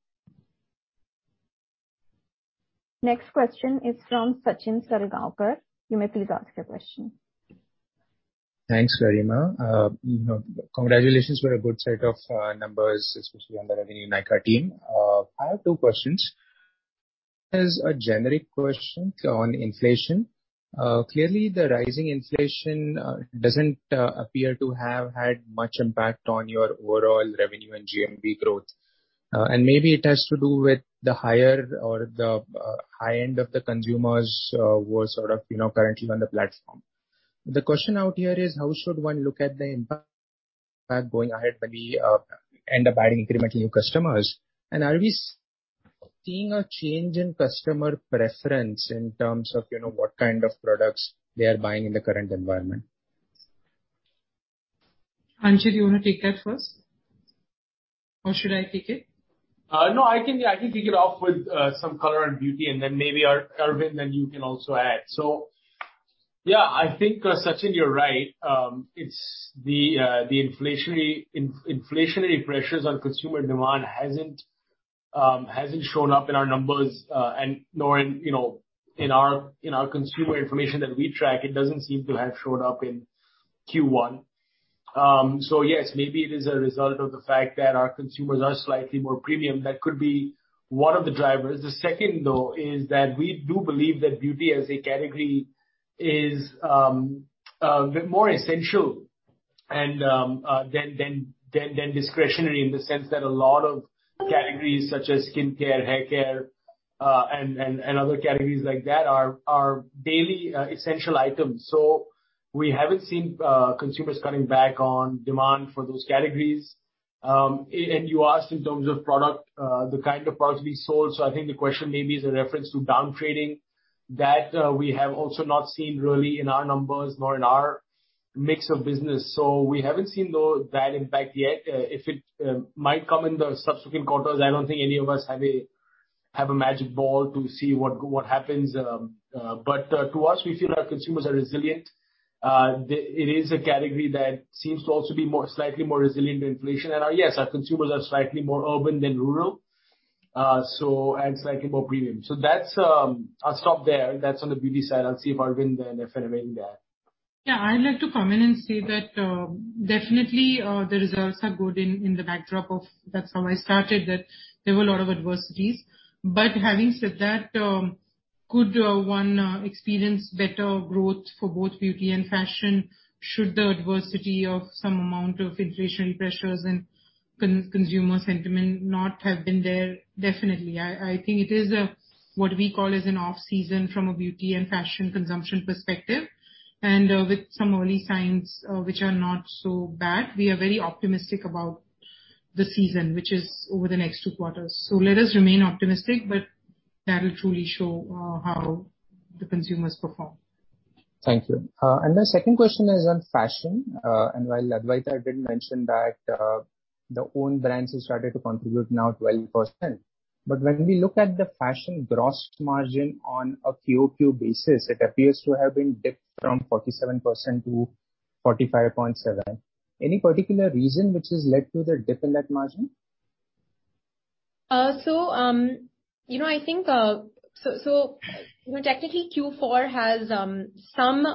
Next question is from Sachin Salgaonkar. You may please ask your question. Thanks, Garima. You know, congratulations for a good set of numbers, especially on the revenue Nykaa team. I have two questions. One is a generic question on inflation. Clearly, the rising inflation doesn't appear to have had much impact on your overall revenue and GMV growth, and maybe it has to do with the higher or the high end of the consumers, who are sort of, you know, currently on the platform. The question out here is how should one look at the impact going ahead when we end up adding incremental new customers? And are we seeing a change in customer preference in terms of, you know, what kind of products they are buying in the current environment? Anchit, do you wanna take that first? Or should I take it? No, I can kick it off with some color on beauty and then maybe, Arvind, then you can also add. Yeah, I think, Sachin, you're right. It's the inflationary pressures on consumer demand hasn't shown up in our numbers, and nor in, you know, in our consumer information that we track. It doesn't seem to have shown up in Q1. Yes, maybe it is a result of the fact that our consumers are slightly more premium. That could be one of the drivers. The second, though, is that we do believe that beauty as a category is a bit more essential than discretionary in the sense that a lot of categories such as skincare, haircare, and other categories like that are daily essential items. We haven't seen consumers cutting back on demand for those categories. You asked in terms of product, the kind of products we sold, so I think the question maybe is a reference to down trading, that we have also not seen really in our numbers nor in our mix of business. We haven't seen though that impact yet. If it might come in the subsequent quarters, I don't think any of us have a magic ball to see what happens. To us, we feel our consumers are resilient. It is a category that seems to also be slightly more resilient to inflation. Yes, our consumers are slightly more urban than rural and slightly more premium. That's on the beauty side. I'll see if Arvind and then Falguni may add. Yeah. I'd like to come in and say that, definitely, the results are good in the backdrop of that, how I started, there were a lot of adversities. Having said that, could one experience better growth for both beauty and fashion should the adversity of some amount of inflationary pressures and consumer sentiment not have been there? Definitely. I think it is what we call an off-season from a beauty and fashion consumption perspective. With some early signs which are not so bad, we are very optimistic about the season, which is over the next two quarters. Let us remain optimistic, but that'll truly show how the consumers perform. Thank you. The second question is on fashion. While Adwaita did mention that, the own brands has started to contribute now 12%, but when we look at the fashion gross margin on a QOQ basis, it appears to have been dipped from 47%-45.7%. Any particular reason which has led to the dip in that margin? You know, I think technically Q4 has some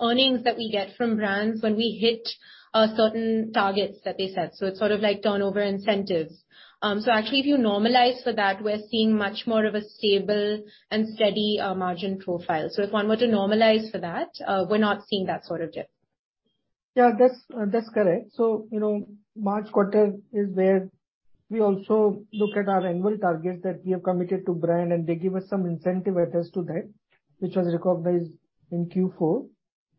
earnings that we get from brands when we hit certain targets that they set. It's sort of like turnover incentives. Actually if you normalize for that, we're seeing much more of a stable and steady margin profile. If one were to normalize for that, we're not seeing that sort of dip. Yeah, that's correct. You know, March quarter is where we also look at our annual targets that we have committed to brands, and they give us some incentive against that, which was recognized in Q4.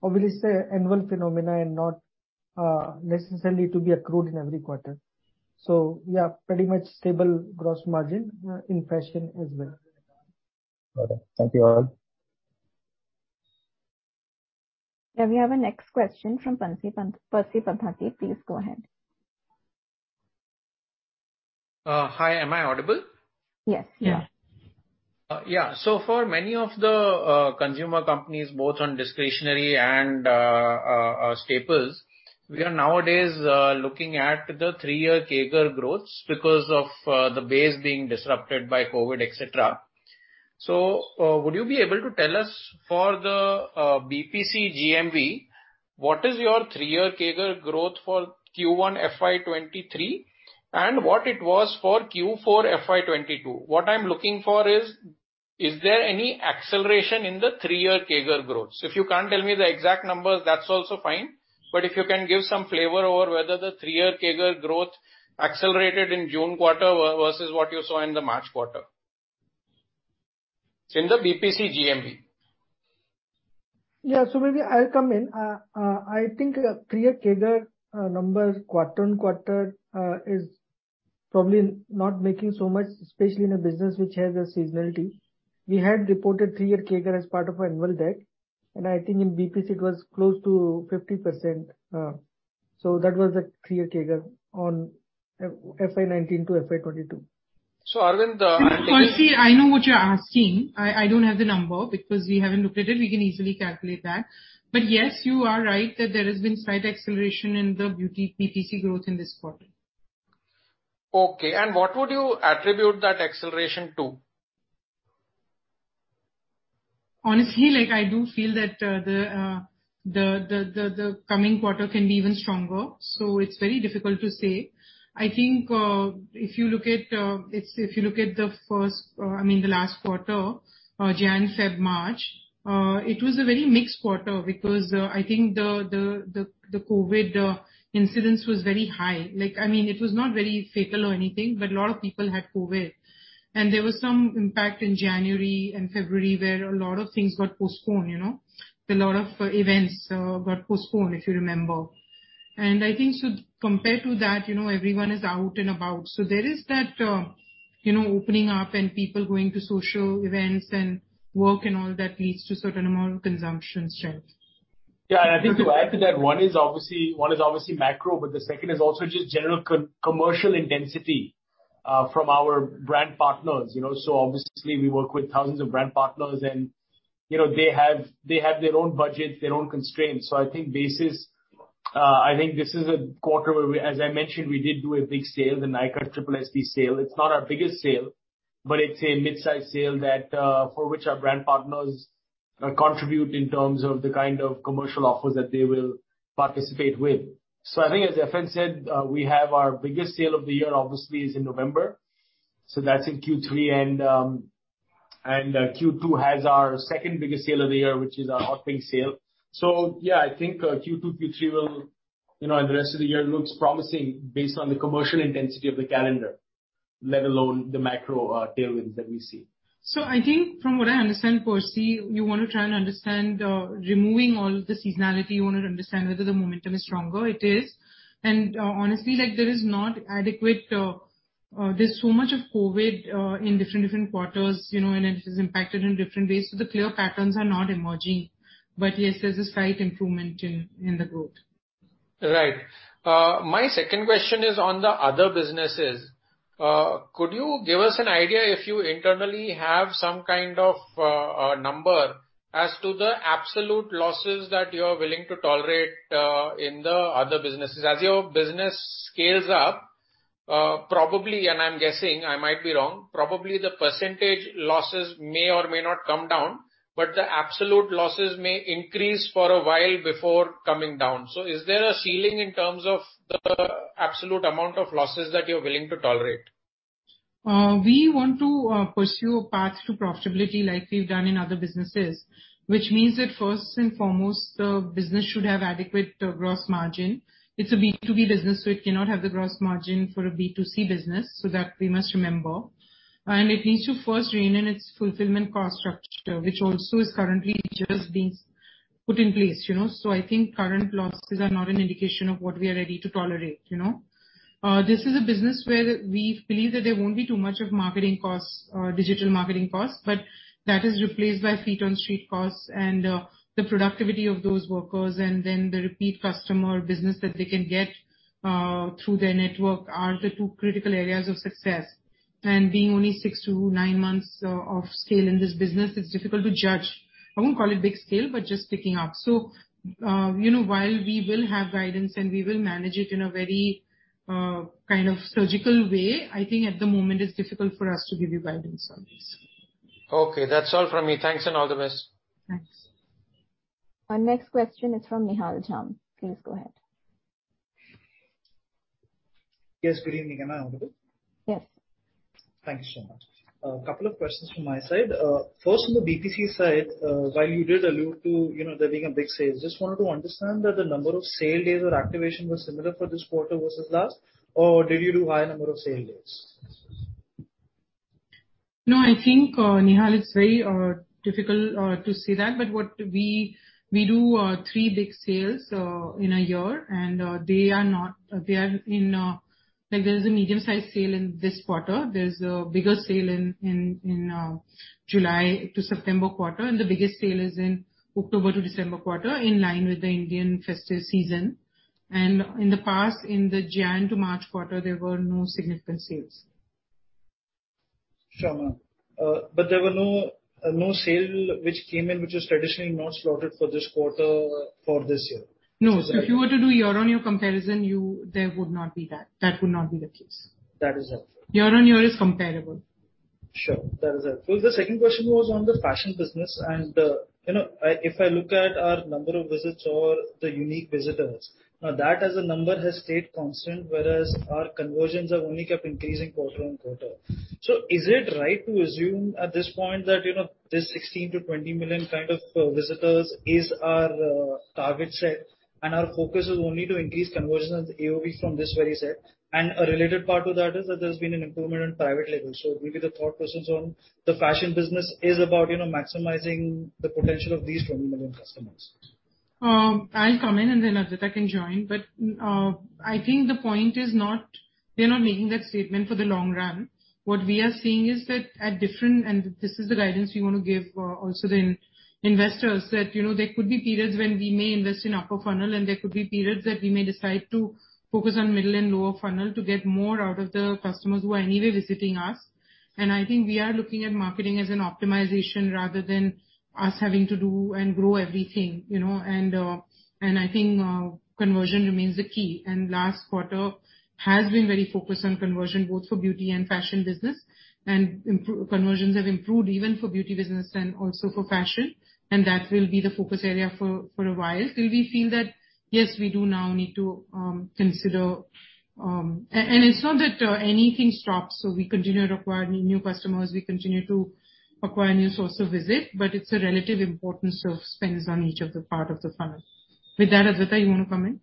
Obviously, annual phenomenon and not necessarily to be accrued in every quarter. Yeah, pretty much stable gross margin in fashion as well. Got it. Thank you all. Yeah. We have a next question from Percy Panthaki. Please go ahead. Hi, am I audible? Yes. Yeah. Yeah. For many of the consumer companies, both on discretionary and staples, we are nowadays looking at the 3-year CAGR growth because of the base being disrupted by COVID, et cetera. Would you be able to tell us for the BPC GMV, what is your 3-year CAGR growth for Q1 FY 2023 and what it was for Q4 FY 2022? What I'm looking for is there any acceleration in the 3-year CAGR growth? If you can't tell me the exact numbers, that's also fine, but if you can give some flavor over whether the 3-year CAGR growth accelerated in June quarter versus what you saw in the March quarter. In the BPC GMV. Maybe I'll come in. I think 3-year CAGR number quarter-on-quarter is probably not making so much sense, especially in a business which has seasonality. We had reported three-year CAGR as part of our annual report, and I think in BPC it was close to 50%. That was the three-year CAGR from FY 2019-FY 2022. Arvind, I think this. Percy, I know what you're asking. I don't have the number because we haven't looked at it. We can easily calculate that. Yes, you are right that there has been slight acceleration in the beauty BPC growth in this quarter. Okay. What would you attribute that acceleration to? Honestly, like, I do feel that the coming quarter can be even stronger, so it's very difficult to say. I think if you look at the last quarter, January, February, March, it was a very mixed quarter because I think the COVID incidence was very high. Like, I mean, it was not very fatal or anything, but a lot of people had COVID. There was some impact in January and February where a lot of things got postponed, you know. A lot of events got postponed, if you remember. I think so compared to that, you know, everyone is out and about. There is that, you know, opening up and people going to social events and work and all that leads to certain amount of consumption strength. Yeah. I think to add to that, one is obviously macro, but the second is also just general co-commercial intensity from our brand partners, you know. Obviously we work with thousands of brand partners and, you know, they have their own budgets, their own constraints. I think this is a quarter where we, as I mentioned, we did do a big sale, the Nykaa SSSD sale. It's not our biggest sale, but it's a mid-sized sale that for which our brand partners contribute in terms of the kind of commercial offers that they will participate with. I think as Falguni said, we have our biggest sale of the year obviously is in November, so that's in Q3. Q2 has our second biggest sale of the year, which is our hot pink sale. Yeah, I think Q2, Q3 will, you know, and the rest of the year looks promising based on the commercial intensity of the calendar, let alone the macro tailwinds that we see. I think from what I understand, Percy, you wanna try and understand, removing all the seasonality, you wanna understand whether the momentum is stronger. It is. Honestly, like, there is not adequate. There's so much of COVID in different quarters, you know, and it has impacted in different ways. The clear patterns are not emerging. Yes, there's a slight improvement in the growth. Right. My second question is on the other businesses. Could you give us an idea if you internally have some kind of a number as to the absolute losses that you're willing to tolerate in the other businesses? As your business scales up, probably, and I'm guessing, I might be wrong, probably the percentage losses may or may not come down, but the absolute losses may increase for a while before coming down. Is there a ceiling in terms of the absolute amount of losses that you're willing to tolerate? We want to pursue a path to profitability like we've done in other businesses, which means that first and foremost, the business should have adequate gross margin. It's a B2B business, so it cannot have the gross margin for a B2C business, so that we must remember. It needs to first rein in its fulfillment cost structure, which also is currently just being put in place, you know. I think current losses are not an indication of what we are ready to tolerate, you know. This is a business where we believe that there won't be too much of marketing costs or digital marketing costs, but that is replaced by feet on street costs and the productivity of those workers and then the repeat customer business that they can get through their network are the two critical areas of success. Being only six to -9 months off scale in this business, it's difficult to judge. I won't call it big scale, but just picking up. You know, while we will have guidance and we will manage it in a very kind of surgical way, I think at the moment it's difficult for us to give you guidance on this. Okay. That's all from me. Thanks and all the best. Thanks. Our next question is from Nihal Jham. Please go ahead. Yes. Good evening. Am I audible? Yes. Thank you so much. A couple of questions from my side. First on the BPC side, while you did allude to, you know, there being a big sale, just wanted to understand that the number of sale days or activation was similar for this quarter versus last, or did you do higher number of sale days? No, I think, Nihal, it's very difficult to say that. But what we do three big sales in a year, and they are in. Like, there is a medium-sized sale in this quarter. There's a bigger sale in July to September quarter, and the biggest sale is in October to December quarter, in line with the Indian festive season. In the past, in the January to March quarter, there were no significant sales. Sure, ma'am. There were no sale which came in which was traditionally not slotted for this quarter for this year? No. Is that right? If you were to do year-on-year comparison, there would not be that. That would not be the case. That is helpful. Year-over-year is comparable. Sure. That is it. The second question was on the fashion business and, you know, if I look at our number of visits or the unique visitors, now that as a number has stayed constant, whereas our conversions have only kept increasing quarter-on-quarter. Is it right to assume at this point that, you know, this 16 million-20 million kind of visitors is our target set and our focus is only to increase conversions AOV from this very set? A related part to that is that there's been an improvement in private label. Maybe the thought process on the fashion business is about, you know, maximizing the potential of these 20 million customers. I'll come in, and then Adwaita can join. I think the point is not. We are not making that statement for the long run. What we are seeing is that at different. This is the guidance we wanna give, also to investors, that, you know, there could be periods when we may invest in upper funnel and there could be periods that we may decide to focus on middle and lower funnel to get more out of the customers who are anyway visiting us. I think we are looking at marketing as an optimization rather than us having to do and grow everything, you know? I think conversion remains the key. Last quarter has been very focused on conversion, both for beauty and fashion business. Conversions have improved even for beauty business and also for fashion. That will be the focus area for a while till we feel that, yes, we do now need to consider. It's not that anything stops. We continue to acquire new customers. We continue to acquire new source of visit. It's the relative importance of spends on each of the part of the funnel. With that, Adwaita, you wanna come in?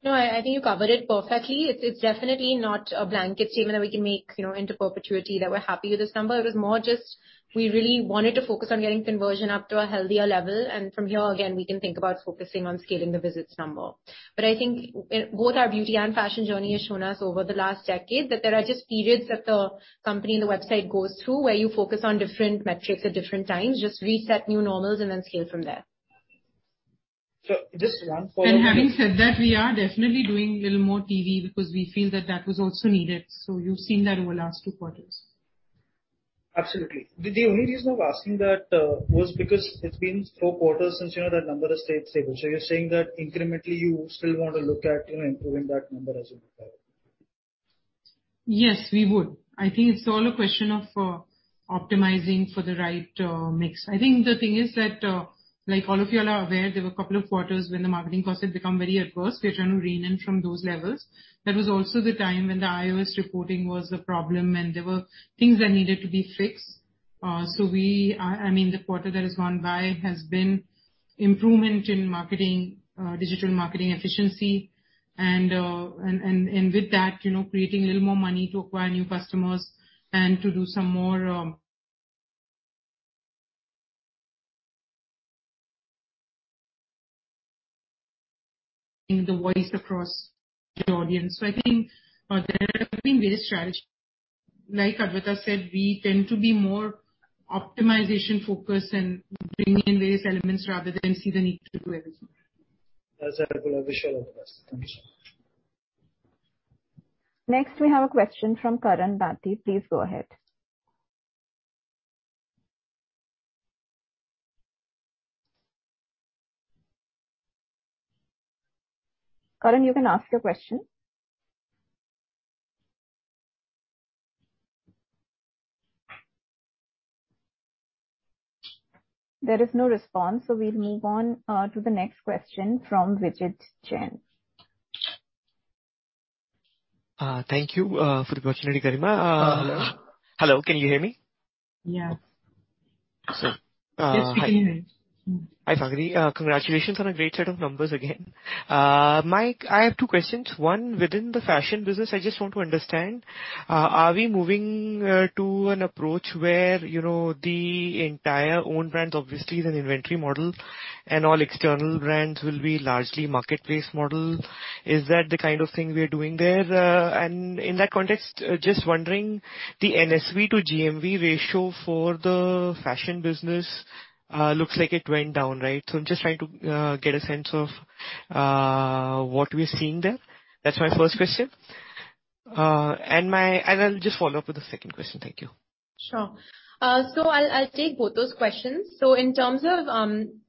No, I think you covered it perfectly. It's definitely not a blanket statement that we can make, you know, into perpetuity that we're happy with this number. It was more just we really wanted to focus on getting conversion up to a healthier level. From here, again, we can think about focusing on scaling the visits number. I think both our beauty and fashion journey has shown us over the last decade that there are just periods that the company and the website goes through where you focus on different metrics at different times, just reset new normals and then scale from there. Just one follow-up. Having said that, we are definitely doing a little more TV because we feel that that was also needed. You've seen that over last two quarters. Absolutely. The only reason I'm asking that was because it's been four quarters since, you know, that number has stayed stable. You're saying that incrementally you still want to look at, you know, improving that number as you move forward? Yes, we would. I think it's all a question of optimizing for the right mix. I think the thing is that, like all of you all are aware, there were a couple of quarters when the marketing costs had become very adverse. We are trying to rein in from those levels. That was also the time when the iOS reporting was a problem and there were things that needed to be fixed. I mean, the quarter that has gone by has been improvement in marketing, digital marketing efficiency and with that, you know, creating a little more money to acquire new customers and to do some more, the voice across the audience. I think there have been various strategies. Like Adwaita said, we tend to be more optimization focused and bringing in various elements rather than see the need to do everything. That's helpful. I wish all the best. Thank you, sir. Next, we have a question from Karan Bhanti. Please go ahead. Karan, you can ask your question. There is no response, so we'll move on to the next question from Vijit Jain. Thank you for the opportunity, Garima. Hello. Can you hear me? Yes. Sorry. Yes, we can hear you. Hi, Falguni. Congratulations on a great set of numbers again. I have two questions. One, within the fashion business, I just want to understand, are we moving to an approach where, you know, the entire own brand obviously is an inventory model and all external brands will be largely marketplace model? Is that the kind of thing we are doing there? In that context, just wondering the NSV to GMV ratio for the fashion business looks like it went down, right? I'm just trying to get a sense of what we're seeing there. That's my first question. I'll just follow up with the second question. Thank you. Sure. I'll take both those questions. In terms of,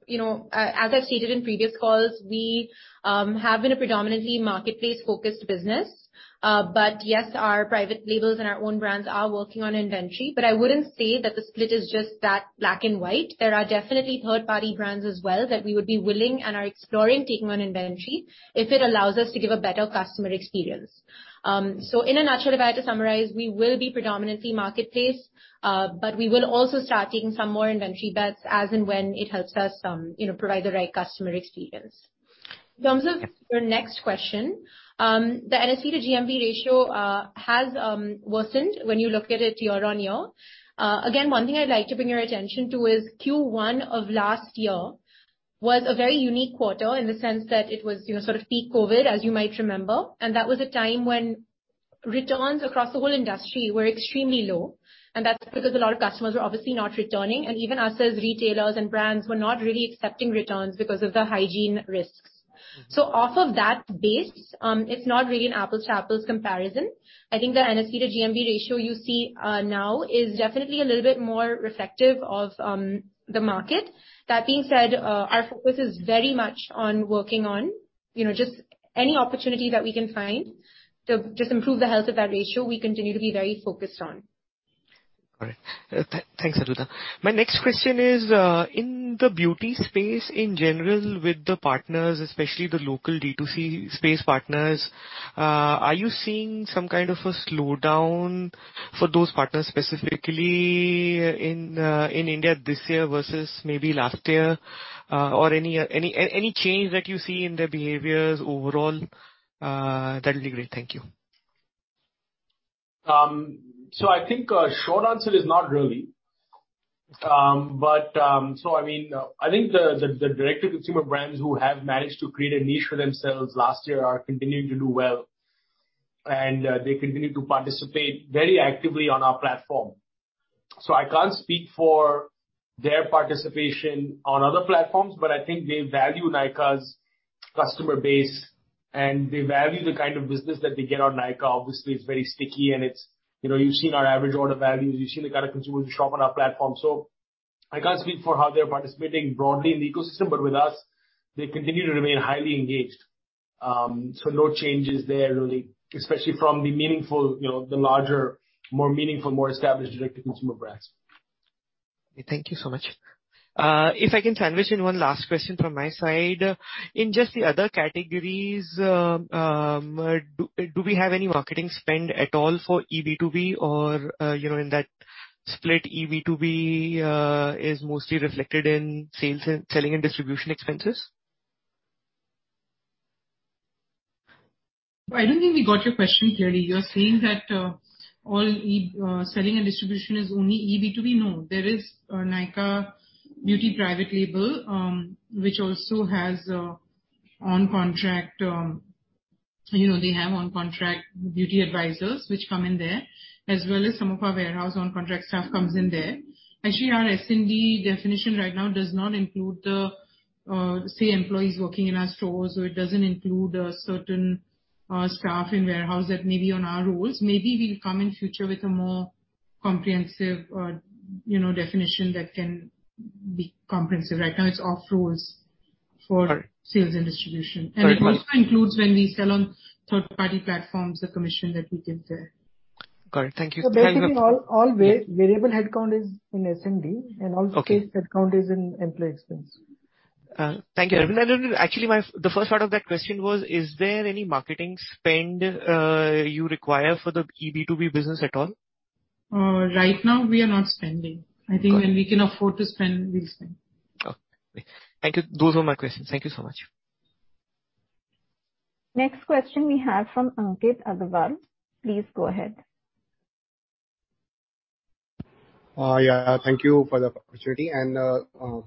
you know, as I've stated in previous calls, we have been a predominantly marketplace-focused business. Yes, our private labels and our own brands are working on inventory. I wouldn't say that the split is just that black and white. There are definitely third-party brands as well that we would be willing and are exploring taking on inventory if it allows us to give a better customer experience. In a nutshell, if I had to summarize, we will be predominantly marketplace, but we will also start taking some more inventory bets as and when it helps us, you know, provide the right customer experience. In terms of your next question, the NSV to GMV ratio has worsened when you look at it year-on-year. Again, one thing I'd like to bring your attention to is Q1 of last year was a very unique quarter in the sense that it was, you know, sort of peak COVID, as you might remember. That was a time when returns across the whole industry were extremely low, and that's because a lot of customers were obviously not returning, and even us as retailers and brands were not really accepting returns because of the hygiene risks. Off of that base, it's not really an apples to apples comparison. I think the NSV to GMV ratio you see now is definitely a little bit more reflective of the market. That being said, our focus is very much on working on, you know, just any opportunity that we can find to just improve the health of that ratio, we continue to be very focused on. All right. Thanks, Adwaita. My next question is, in the beauty space in general with the partners, especially the local D2C space partners, are you seeing some kind of a slowdown for those partners specifically in India this year versus maybe last year? Any change that you see in their behaviors overall, that'll be great. Thank you. I think short answer is not really. I mean, I think the direct-to-consumer brands who have managed to create a niche for themselves last year are continuing to do well, and they continue to participate very actively on our platform. I can't speak for their participation on other platforms, but I think they value Nykaa's customer base, and they value the kind of business that they get on Nykaa. Obviously, it's very sticky and it's, you know, you've seen our average order values, you've seen the kind of consumers who shop on our platform. I can't speak for how they're participating broadly in the ecosystem, but with us, they continue to remain highly engaged. No changes there really, especially from the meaningful, you know, the larger, more meaningful, more established direct-to-consumer brands. Thank you so much. If I can sandwich in one last question from my side. In just the other categories, do we have any marketing spend at all for eB2B or, you know, in that split eB2B, is mostly reflected in sales and selling and distribution expenses? I don't think we got your question clearly. You're saying that all selling and distribution is only eB2B? No. There is a Nykaa Beauty private label, which also has on contract, you know, they have on contract beauty advisors which come in there, as well as some of our warehouse on contract staff comes in there. Actually, our S&D definition right now does not include the say, employees working in our stores, or it doesn't include certain staff in warehouse that may be on our rolls. Maybe we'll come in future with a more comprehensive, you know, definition that can be comprehensive. Right now it's off rolls for- All right. ...sales and distribution. All right. It also includes when we sell on third-party platforms, the commission that we give there. Got it. Thank you. Basically all variable headcount is in S&D, and all. Okay. Fixed headcount is in employee expense. Thank you. Actually, the first part of that question was, is there any marketing spend you require for the eB2B business at all? Right now we are not spending. Got it. I think when we can afford to spend, we'll spend. Okay. Thank you. Those were my questions. Thank you so much. Next question we have from Ankit Agarwal. Please go ahead. Yeah. Thank you for the opportunity and,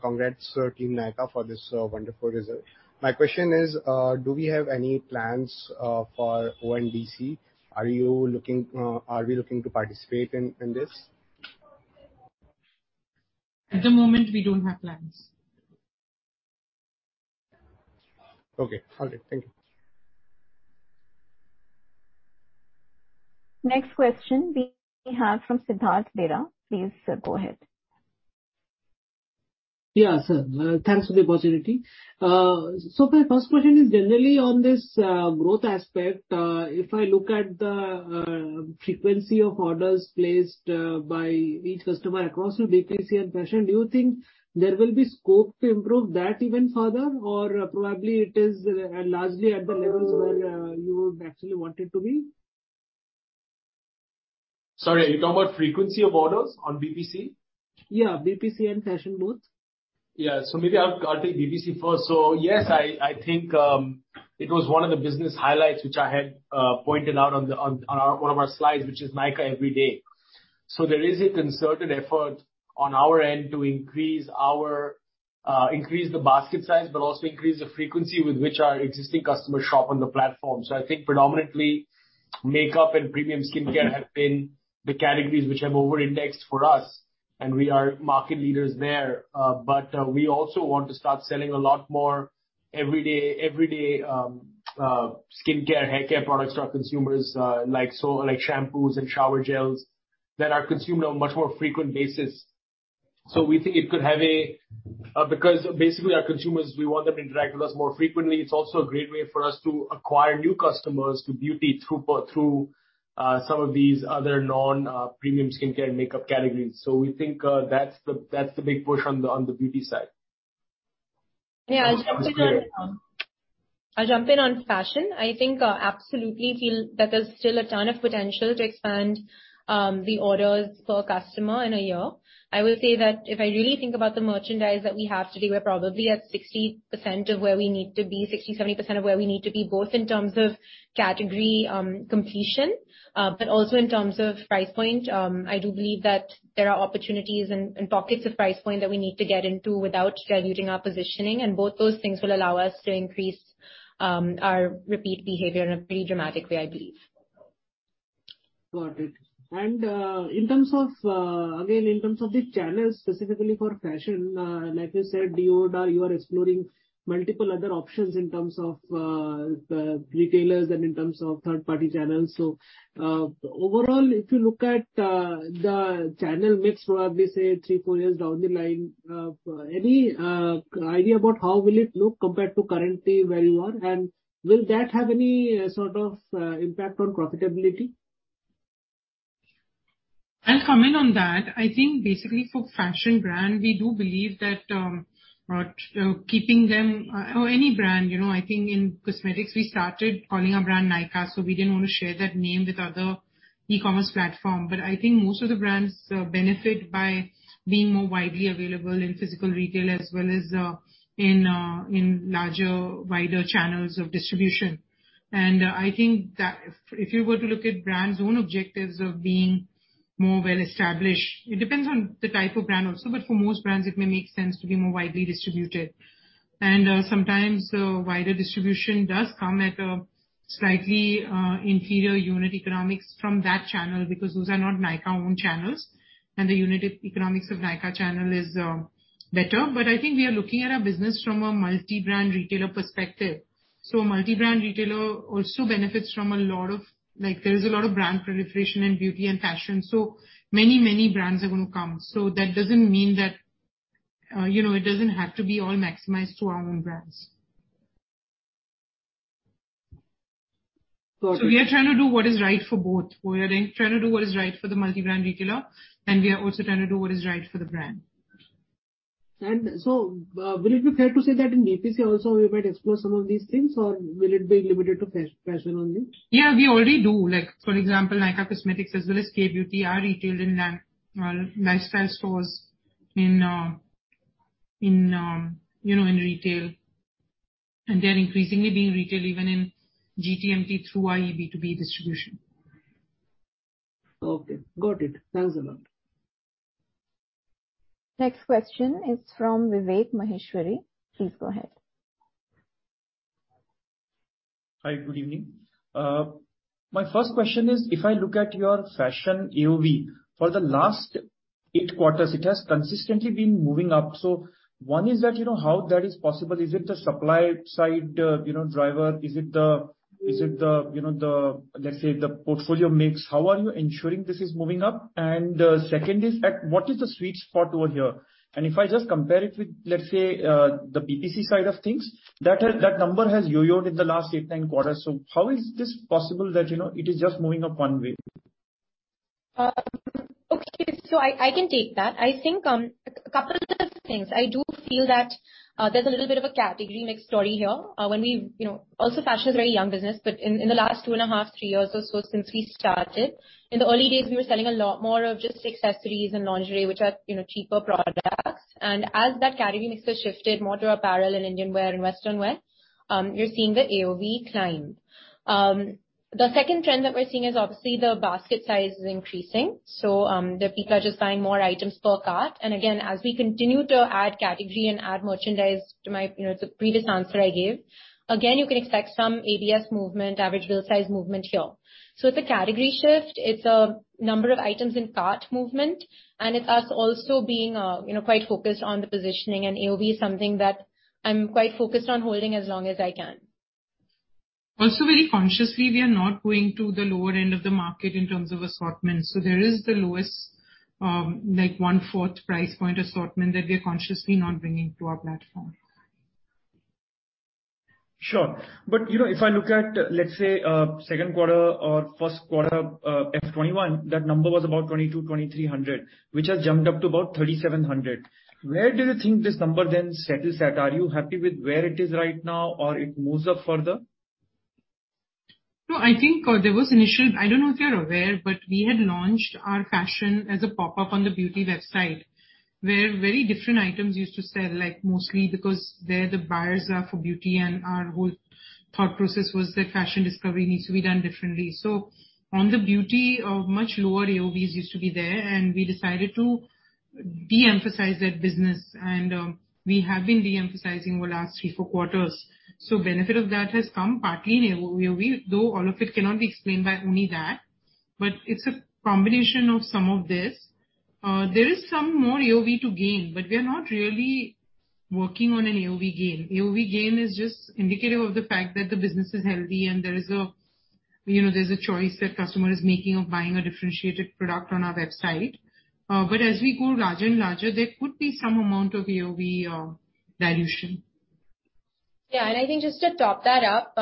congrats, Team Nykaa for this wonderful result. My question is, do we have any plans for ONDC? Are we looking to participate in this? At the moment, we don't have plans. Okay. All right. Thank you. Next question we have from Siddharth Bera. Please, go ahead. Thanks for the opportunity. My first question is generally on this growth aspect. If I look at the frequency of orders placed by each customer across the BPC and Fashion, do you think there will be scope to improve that even further or probably it is largely at the levels where you would actually want it to be? Sorry, are you talking about frequency of orders on BPC? Yeah, BPC and Fashion both. Maybe I'll take BPC first. Yes, I think it was one of the business highlights which I had pointed out on one of our slides, which is Nykaa Everyday. There is a concerted effort on our end to increase the basket size, but also increase the frequency with which our existing customers shop on the platform. I think predominantly makeup and premium skincare have been the categories which have overindexed for us, and we are market leaders there. But we also want to start selling a lot more everyday skincare, haircare products to our consumers, like shampoos and shower gels that are consumed on a much more frequent basis. We think it could have a... Because basically our consumers, we want them to interact with us more frequently. It's also a great way for us to acquire new customers to beauty through some of these other non-premium skincare and makeup categories. We think that's the big push on the beauty side. Yeah. Fash- that was- I'll jump in on Fashion. I think absolutely feel that there's still a ton of potential to expand the orders per customer in a year. I will say that if I really think about the merchandise that we have today, we're probably at 60% of where we need to be, 60%-70% of where we need to be, both in terms of category completion, but also in terms of price point. I do believe that there are opportunities and pockets of price point that we need to get into without diluting our positioning. Both those things will allow us to increase our repeat behavior in a pretty dramatic way, I believe. Got it. In terms of again in terms of the channels specifically for Fashion, like you said, Adwaita, you are exploring multiple other options in terms of the retailers and in terms of third party channels. Overall, if you look at the channel mix, probably say three to four years down the line, any idea about how will it look compared to currently where you are? Will that have any sort of impact on profitability? I'll comment on that. I think basically for fashion brand, we do believe that or any brand, you know. I think in cosmetics we started calling our brand Nykaa, so we didn't want to share that name with other e-commerce platform. I think most of the brands benefit by being more widely available in physical retail as well as in larger, wider channels of distribution. I think that if you were to look at brands' own objectives of being more well-established, it depends on the type of brand also. For most brands it may make sense to be more widely distributed. Sometimes wider distribution does come at a slightly inferior unit economics from that channel because those are not Nykaa owned channels and the unit economics of Nykaa channel is better. I think we are looking at our business from a multi-brand retailer perspective. A multi-brand retailer also benefits from a lot of. Like, there is a lot of brand proliferation in beauty and fashion, so many, many brands are gonna come. That doesn't mean that, you know, it doesn't have to be all maximized to our own brands. So- We are trying to do what is right for both. We are trying to do what is right for the multi-brand retailer, and we are also trying to do what is right for the brand. Will it be fair to say that in BPC also we might explore some of these things, or will it be limited to fashion only? Yeah, we already do. Like for example, Nykaa Cosmetics as well as Kay Beauty are retailed in Lifestyle stores, you know, in retail. They're increasingly being retailed even in GT/MT through our eB2B distribution. Okay, got it. Thanks a lot. Next question is from Vivek Maheshwari. Please go ahead. Hi, good evening. My first question is, if I look at your fashion AOV, for the last eight quarters it has consistently been moving up. One is that, you know, how that is possible? Is it the supply side, you know, driver? Is it the, you know, the, let's say, the portfolio mix? How are you ensuring this is moving up? Second is, what is the sweet spot over here? If I just compare it with, let's say, the BPC side of things, that number has yo-yoed in the last eight, nine quarters. How is this possible that, you know, it is just moving up one way? Okay. I can take that. I think a couple of things. I do feel that there's a little bit of a category mix story here. You know, also fashion is a very young business, but in the last 2.5, three years or so since we started, in the early days we were selling a lot more of just accessories and lingerie, which are, you know, cheaper products. As that category mix has shifted more to apparel and Indian wear and Western wear, you're seeing the AOV climb. The second trend that we're seeing is obviously the basket size is increasing, so the people are just buying more items per cart. Again, as we continue to add category and add merchandise. You know, it's a previous answer I gave. Again, you can expect some ABS movement, average bill size movement here. It's a category shift, it's a number of items in cart movement, and it's us also being, you know, quite focused on the positioning. AOV is something that I'm quite focused on holding as long as I can. Also, very consciously, we are not going to the lower end of the market in terms of assortment. There is the lowest, one-fourth price point assortment that we are consciously not bringing to our platform. Sure. You know, if I look at, let's say, second quarter or first quarter, FY 2021, that number was about 2,200-2,300, which has jumped up to about 3,700. Where do you think this number then settles at? Are you happy with where it is right now or it moves up further? No, I think I don't know if you're aware, but we had launched our fashion as a pop-up on the beauty website, where very different items used to sell, like mostly because there the buyers are for beauty and our whole thought process was that fashion discovery needs to be done differently. On the beauty, of much lower AOVs used to be there, and we decided to de-emphasize that business. We have been de-emphasizing over last three, four quarters. Benefit of that has come partly in AOV, though all of it cannot be explained by only that. It's a combination of some of this. There is some more AOV to gain, but we are not really working on an AOV gain. AOV gain is just indicative of the fact that the business is healthy and, you know, there's a choice that customer is making of buying a differentiated product on our website. As we go larger and larger, there could be some amount of AOV dilution. Yeah. I think just to top that up,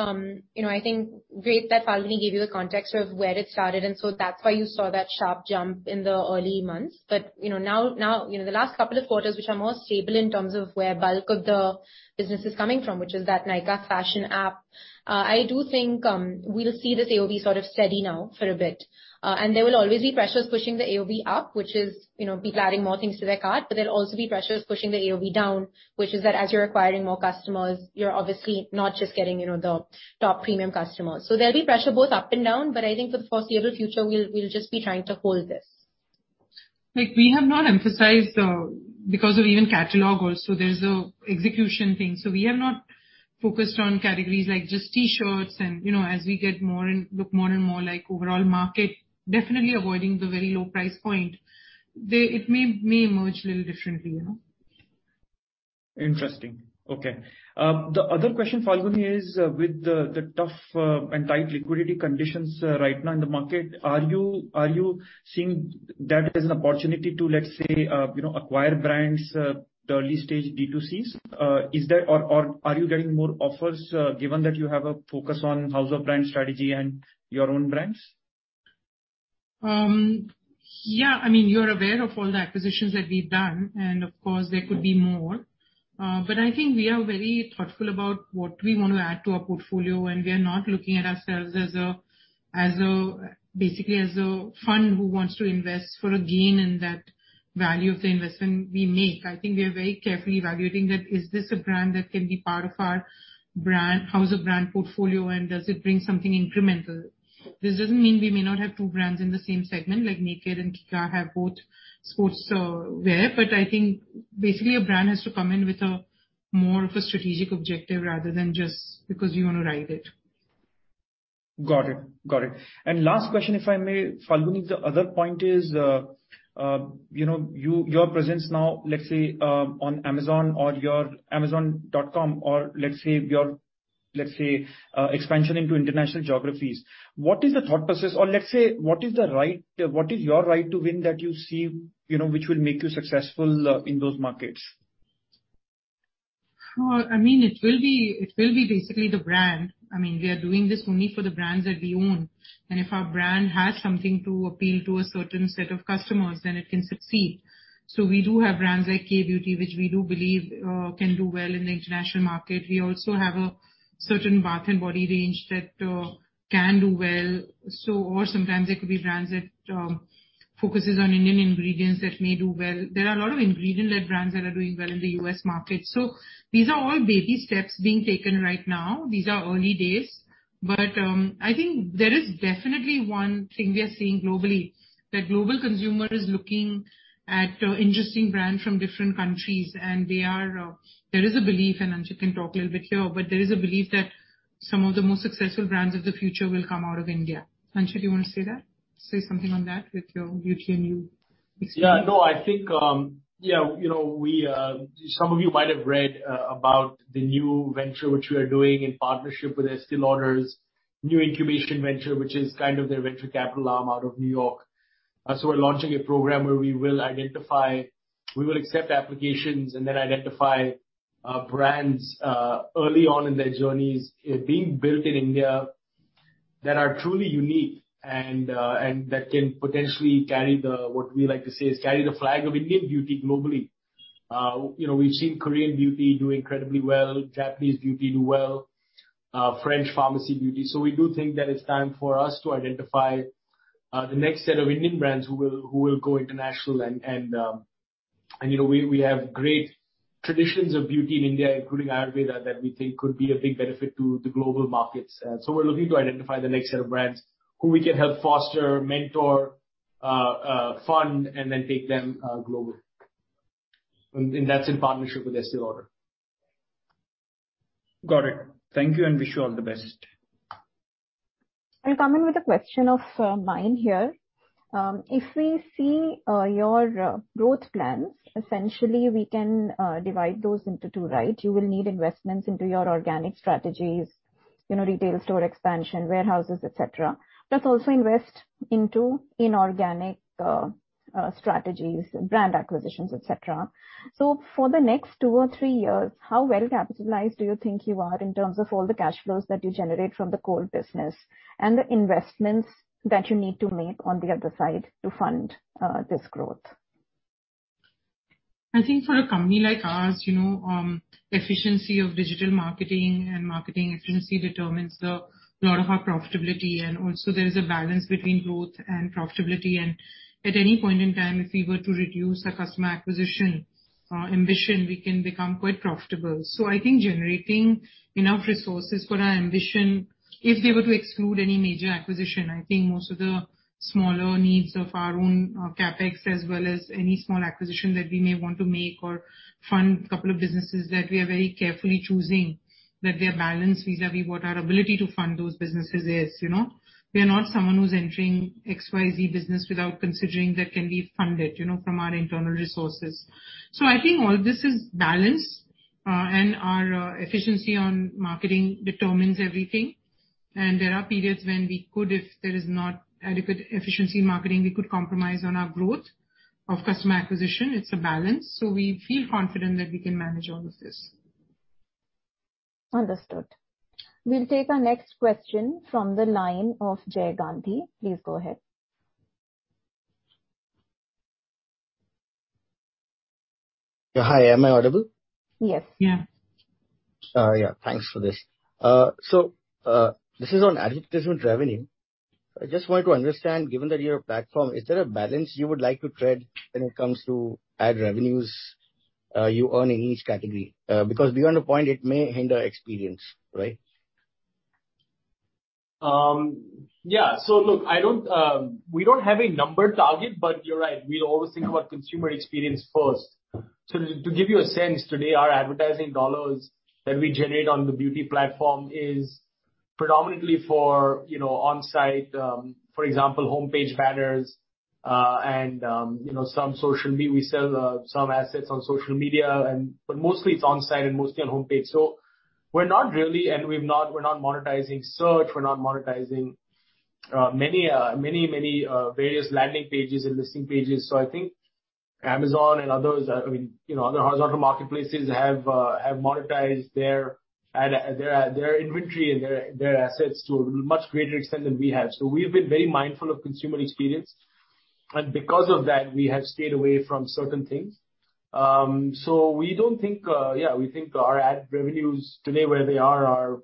you know, I think great that Falguni gave you the context of where it started, and that's why you saw that sharp jump in the early months. You know, now you know, the last couple of quarters, which are more stable in terms of where bulk of the business is coming from, which is that Nykaa Fashion app, I do think we'll see this AOV sort of steady now for a bit. There will always be pressures pushing the AOV up, which is, you know, people adding more things to their cart. There'll be pressures pushing the AOV down, which is that as you're acquiring more customers, you're obviously not just getting, you know, the top premium customers. There'll be pressure both up and down. I think for the foreseeable future, we'll just be trying to hold this. Like, we have not emphasized, because of even catalog also, there's a execution thing. We are not focused on categories like just T-shirts and, you know, as we get more and look more and more like overall market, definitely avoiding the very low price point. It may emerge a little differently, you know. Interesting. Okay. The other question, Falguni, is with the tough and tight liquidity conditions right now in the market, are you seeing that as an opportunity to, let's say, you know, acquire brands, the early-stage D2Cs, is that or are you getting more offers, given that you have a focus on house of brands strategy and your own brands? Yeah, I mean, you're aware of all the acquisitions that we've done, and of course, there could be more. I think we are very thoughtful about what we wanna add to our portfolio, and we are not looking at ourselves as a basically as a fund who wants to invest for a gain in that value of the investment we make. I think we are very carefully evaluating that is this a brand that can be part of our house of brands portfolio, and does it bring something incremental? This doesn't mean we may not have two brands in the same segment, like Nykd and Kica have both sportswear. I think basically a brand has to come in with more of a strategic objective rather than just because we wanna ride it. Got it. Last question, if I may, Falguni. The other point is, your presence now, let's say, on Amazon or your Amazon.com or let's say, your expansion into international geographies. What is the thought process or what is your right to win that you see, you know, which will make you successful in those markets? I mean, it will be basically the brand. I mean, we are doing this only for the brands that we own. If our brand has something to appeal to a certain set of customers, then it can succeed. We do have brands like Kay Beauty, which we do believe can do well in the international market. We also have a certain bath and body range that can do well. Or sometimes it could be brands that focuses on Indian ingredients that may do well. There are a lot of ingredient-led brands that are doing well in the U.S. market. These are all baby steps being taken right now. These are early days, but I think there is definitely one thing we are seeing globally, that global consumer is looking at interesting brand from different countries. There is a belief, and Anchit can talk a little bit here, but there is a belief that some of the most successful brands of the future will come out of India. Anchit, do you wanna say that, say something on that with your beauty and your experience? I think, you know, some of you might have read about the new venture which we are doing in partnership with Estée Lauder's new incubation venture, which is kind of their venture capital arm out of New York. We're launching a program where we will accept applications and then identify brands early on in their journeys being built in India that are truly unique and that can potentially carry the, what we like to say is carry the flag of Indian beauty globally. You know, we've seen Korean beauty do incredibly well, Japanese beauty do well, French pharmacy beauty. We do think that it's time for us to identify the next set of Indian brands who will go international. You know, we have great traditions of beauty in India, including Ayurveda, that we think could be a big benefit to the global markets. We're looking to identify the next set of brands who we can help foster, mentor, fund, and then take them global. That's in partnership with Estée Lauder. Got it. Thank you and wish you all the best. I'll come in with a question of mine here. If we see your growth plans, essentially we can divide those into two, right? You will need investments into your organic strategies, you know, retail store expansion, warehouses, et cetera. But also invest into inorganic strategies, brand acquisitions, et cetera. For the next two or three years, how well capitalized do you think you are in terms of all the cash flows that you generate from the core business and the investments that you need to make on the other side to fund this growth? I think for a company like ours, you know, efficiency of digital marketing and marketing efficiency determines a lot of our profitability. Also there is a balance between growth and profitability. At any point in time, if we were to reduce the customer acquisition ambition, we can become quite profitable. I think generating enough resources for our ambition, if they were to exclude any major acquisition, I think most of the smaller needs of our own, CapEx as well as any small acquisition that we may want to make or fund couple of businesses that we are very carefully choosing, that we are balanced vis-à-vis what our ability to fund those businesses is, you know. We are not someone who's entering XYZ business without considering that can be funded, you know, from our internal resources. I think all this is balanced, and our efficiency on marketing determines everything. There are periods when we could, if there is not adequate efficiency in marketing, we could compromise on our growth of customer acquisition. It's a balance, so we feel confident that we can manage all of this. Understood. We'll take our next question from the line of Jay Gandhi. Please go ahead. Hi, am I audible? Yes. Yeah. Yeah, thanks for this. This is on advertisement revenue. I just wanted to understand, given that you're a platform, is there a balance you would like to tread when it comes to ad revenues, you earn in each category? Because beyond a point, it may hinder experience, right? Yeah. Look, I don't, we don't have a number target, but you're right, we always think about consumer experience first. To give you a sense, today our advertising dollars that we generate on the beauty platform is predominantly for, you know, on-site, for example, homepage banners, and, you know, we sell some assets on social media, but mostly it's on-site and mostly on homepage. We're not really monetizing search, we're not monetizing many various landing pages and listing pages. I think Amazon and others, I mean, you know, other horizontal marketplaces have monetized their inventory and their assets to a much greater extent than we have. We have been very mindful of consumer experience, and because of that, we have stayed away from certain things. We think our ad revenues today, where they are,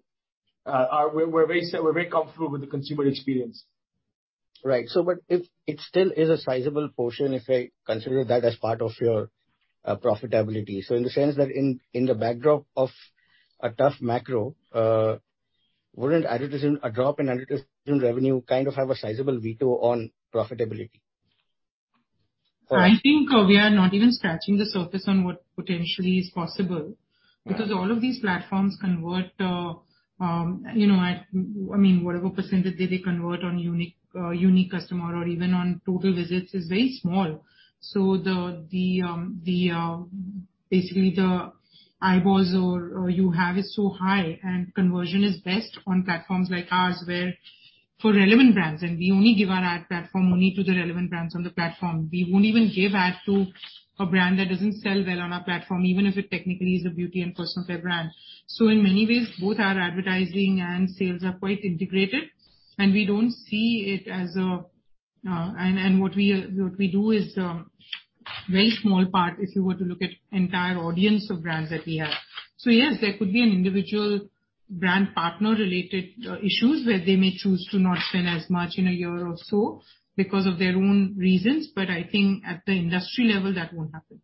we're very comfortable with the consumer experience. Right. If it still is a sizable portion, if I consider that as part of your profitability, in the sense that in the backdrop of a tough macro, wouldn't a drop in advertising revenue kind of have a sizable hit to profitability? I think we are not even scratching the surface on what potentially is possible. Right. Because all of these platforms convert, you know, I mean, whatever percentage that they convert on unique customer or even on total visits is very small. Basically the eyeballs or you have is so high and conversion is best on platforms like ours, where for relevant brands, and we only give our ad platform to the relevant brands on the platform. We won't even give ad to a brand that doesn't sell well on our platform, even if it technically is a beauty and personal care brand. In many ways, both our advertising and sales are quite integrated, and we don't see it as a. What we do is very small part, if you were to look at entire audience of brands that we have. Yes, there could be an individual brand partner related issues where they may choose to not spend as much in a year or so because of their own reasons. I think at the industry level that won't happen.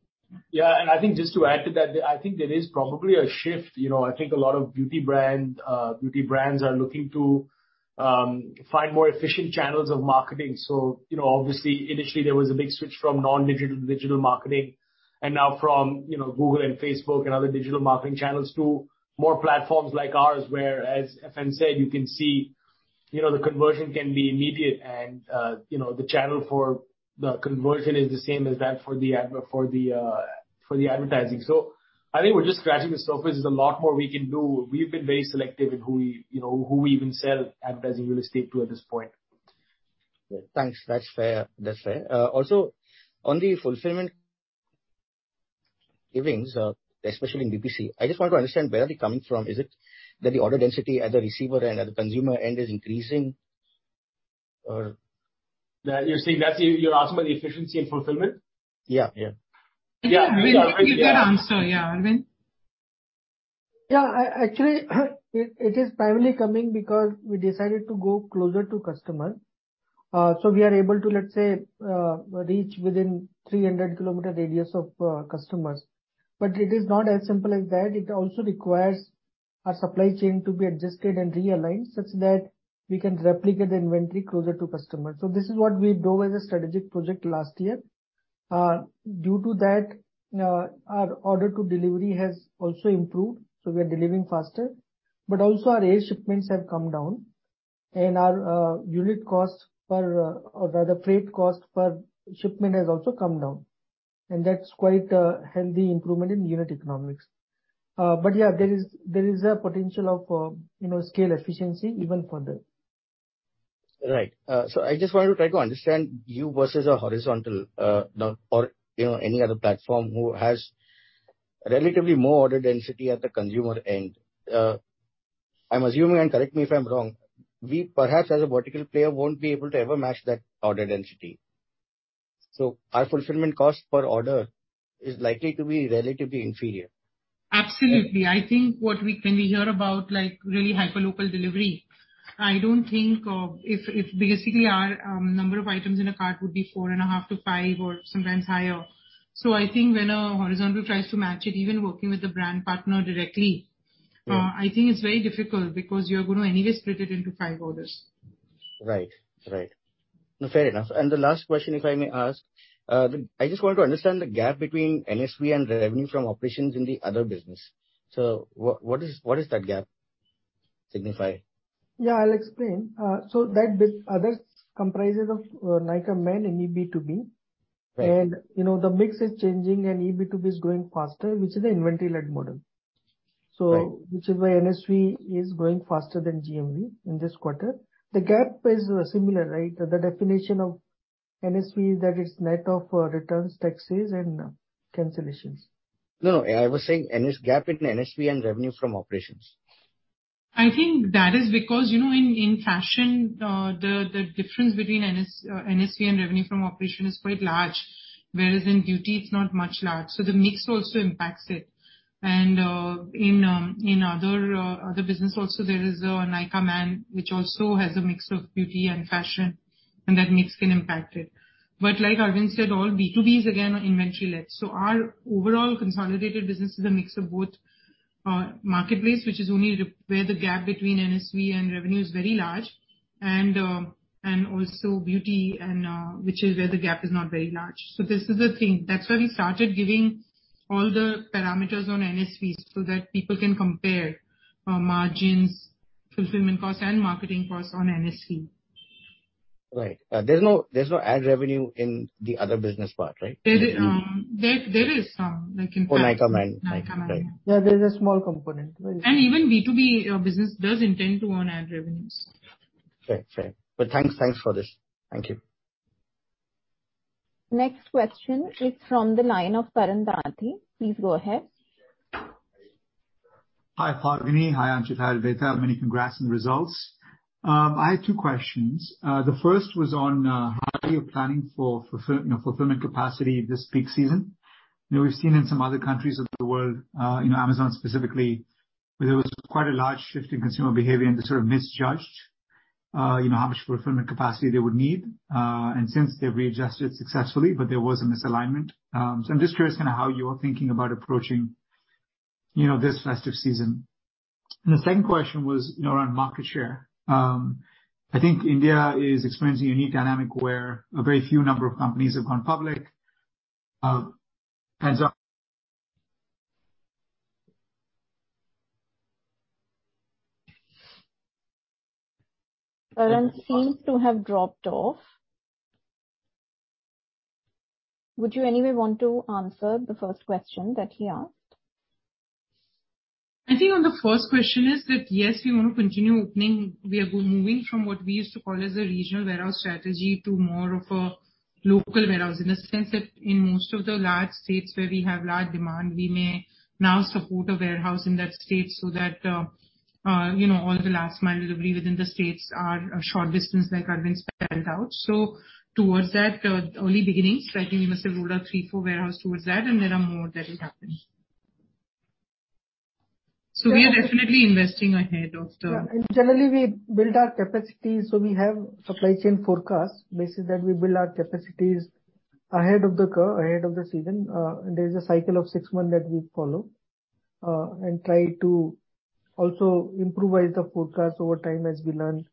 Yeah. I think just to add to that, I think there is probably a shift. You know, I think a lot of beauty brands are looking to find more efficient channels of marketing. You know, obviously initially there was a big switch from non-digital to digital marketing, and now from, you know, Google and Facebook and other digital marketing channels to more platforms like ours, where, as Falguni said, you can see, you know, the conversion can be immediate and, you know, the channel for the conversion is the same as that for the advertising. I think we're just scratching the surface. There's a lot more we can do. We've been very selective in who we, you know, who we even sell advertising real estate to at this point. Thanks. That's fair. That's fair. Also on the fulfillment gains, especially in BPC, I just want to understand where are they coming from. Is it that the order density at the receiver end, at the consumer end is increasing, or? That's, you're asking about the efficiency in fulfillment? Yeah. Yeah. He can really give that answer, yeah, Arvind. Actually, it is primarily coming because we decided to go closer to customer. We are able to, let's say, reach within 300 kilometer radius of customers. It is not as simple as that. It also requires our supply chain to be adjusted and realigned such that we can replicate the inventory closer to customers. This is what we dubbed as a strategic project last year. Due to that, our order to delivery has also improved, so we are delivering faster. Also our air shipments have come down and our unit costs per, or rather freight cost per shipment has also come down, and that's quite a healthy improvement in unit economics. Yeah, there is a potential of, you know, scale efficiency even further. Right. I just wanted to try to understand you versus a horizontal, or, you know, any other platform who has relatively more order density at the consumer end. I'm assuming, and correct me if I'm wrong, we perhaps as a vertical player won't be able to ever match that order density. Our fulfillment cost per order is likely to be relatively inferior. Absolutely. I think when we hear about like really hyper local delivery, I don't think if basically our number of items in a cart would be 4.5-5 or sometimes higher. I think when a horizontal tries to match it, even working with the brand partner directly. Mm-hmm. I think it's very difficult because you're gonna anyway split it into five orders. Right. No, fair enough. The last question, if I may ask, I just want to understand the gap between NSV and the revenue from operations in the other business. What is that gap signify? Yeah, I'll explain. That bit, other, comprises of Nykaa Man and eB2B. Right. You know, the mix is changing, and eB2B is growing faster, which is an inventory-led model. Right. Which is why NSV is growing faster than GMV in this quarter. The gap is similar, right? The definition of NSV is that it's net of returns, taxes and cancellations. No, I was saying gap between NSV and revenue from operations. I think that is because, you know, in fashion, the difference between NSV and revenue from operation is quite large, whereas in beauty it's not much large. The mix also impacts it. In other business also there is Nykaa Man, which also has a mix of beauty and fashion, and that mix can impact it. Like Arvind said, all B2Bs again are inventory-led. Our overall consolidated business is a mix of both, marketplace, which is only where the gap between NSV and revenue is very large, and also beauty and which is where the gap is not very large. This is the thing. That's why we started giving all the parameters on NSVs so that people can compare our margins, fulfillment costs and marketing costs on NSV. Right. There's no ad revenue in the other business part, right? There is some, like in- For Nykaa Man. Nykaa Man, yeah. Yeah, there's a small component. Even eB2B business does intend to earn ad revenues. Fair, fair. Thanks, thanks for this. Thank you. Next question is from the line of Karan Danthi. Please go ahead. Hi, Falguni Nayar. Hi, Anchit Nayar. Many congrats on the results. I have two questions. The first was on how you're planning for, you know, fulfillment capacity this peak season. You know, we've seen in some other countries of the world, Amazon specifically, where there was quite a large shift in consumer behavior, and they sort of misjudged you know, how much fulfillment capacity they would need, and since they've readjusted successfully, but there was a misalignment. So I'm just curious kinda how you're thinking about approaching you know, this festive season. The second question was around market share. I think India is experiencing a unique dynamic where a very few number of companies have gone public. Karan seems to have dropped off. Would you anyway want to answer the first question that he asked? I think on the first question is that, yes, we wanna continue opening. We are moving from what we used to call as a regional warehouse strategy to more of a local warehouse. In the sense that in most of the large states where we have large demand, we may now support a warehouse in that state so that, you know, all the last mile delivery within the states are a short distance like Arvind spelled out. Towards that, early beginnings, I think we must have rolled out three, four warehouse towards that, and there are more that will happen. We are definitely investing ahead of the- Yeah, generally we build our capacity, so we have supply chain forecast. Basically, that we build our capacities ahead of the curve, ahead of the season. There's a cycle of six months that we follow, and try to also improvise the forecast over time as we learn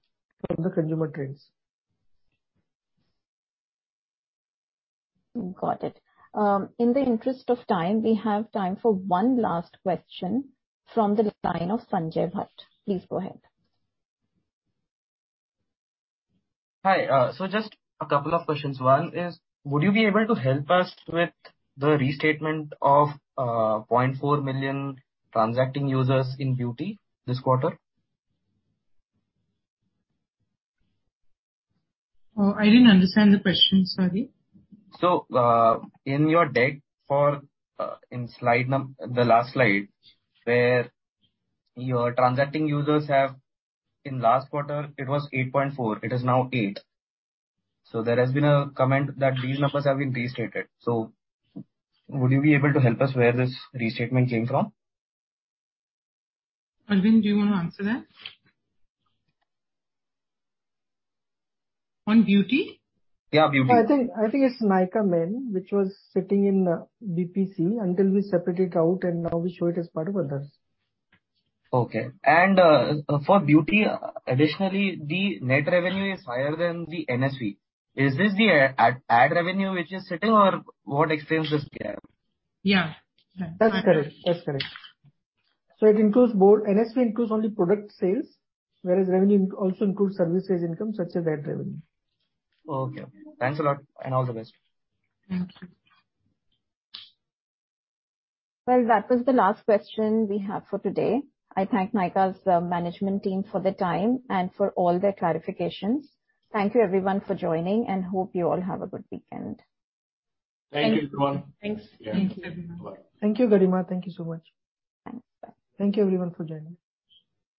from the consumer trends. Got it. In the interest of time, we have time for one last question from the line of Sanjay Bhatt. Please go ahead. Hi. Just a couple of questions. One is, would you be able to help us with the restatement of 0.4 million transacting users in beauty this quarter? I didn't understand the question, sorry. In your deck, in the last slide, where your transacting users have in last quarter it was 8.4, it is now eight. There has been a comment that these numbers have been restated. Would you be able to help us where this restatement came from? Arvind, do you wanna answer that? On beauty? Yeah, beauty. I think it's Nykaa Man which was sitting in BPC until we separate it out and now we show it as part of others. Okay. For beauty additionally, the net revenue is higher than the NSV. Is this the ad revenue which is sitting or what explains this gap? Yeah. That's correct. It includes both. NSV includes only product sales, whereas revenue also includes services income such as ad revenue. Okay. Thanks a lot and all the best. Thank you. Well, that was the last question we have for today. I thank Nykaa's management team for their time and for all their clarifications. Thank you everyone for joining, and hope you all have a good weekend. Thank you, everyone. Thanks. Thank you. Thank you. Thank you, Garima. Thank you so much. Thanks. Bye. Thank you everyone for joining.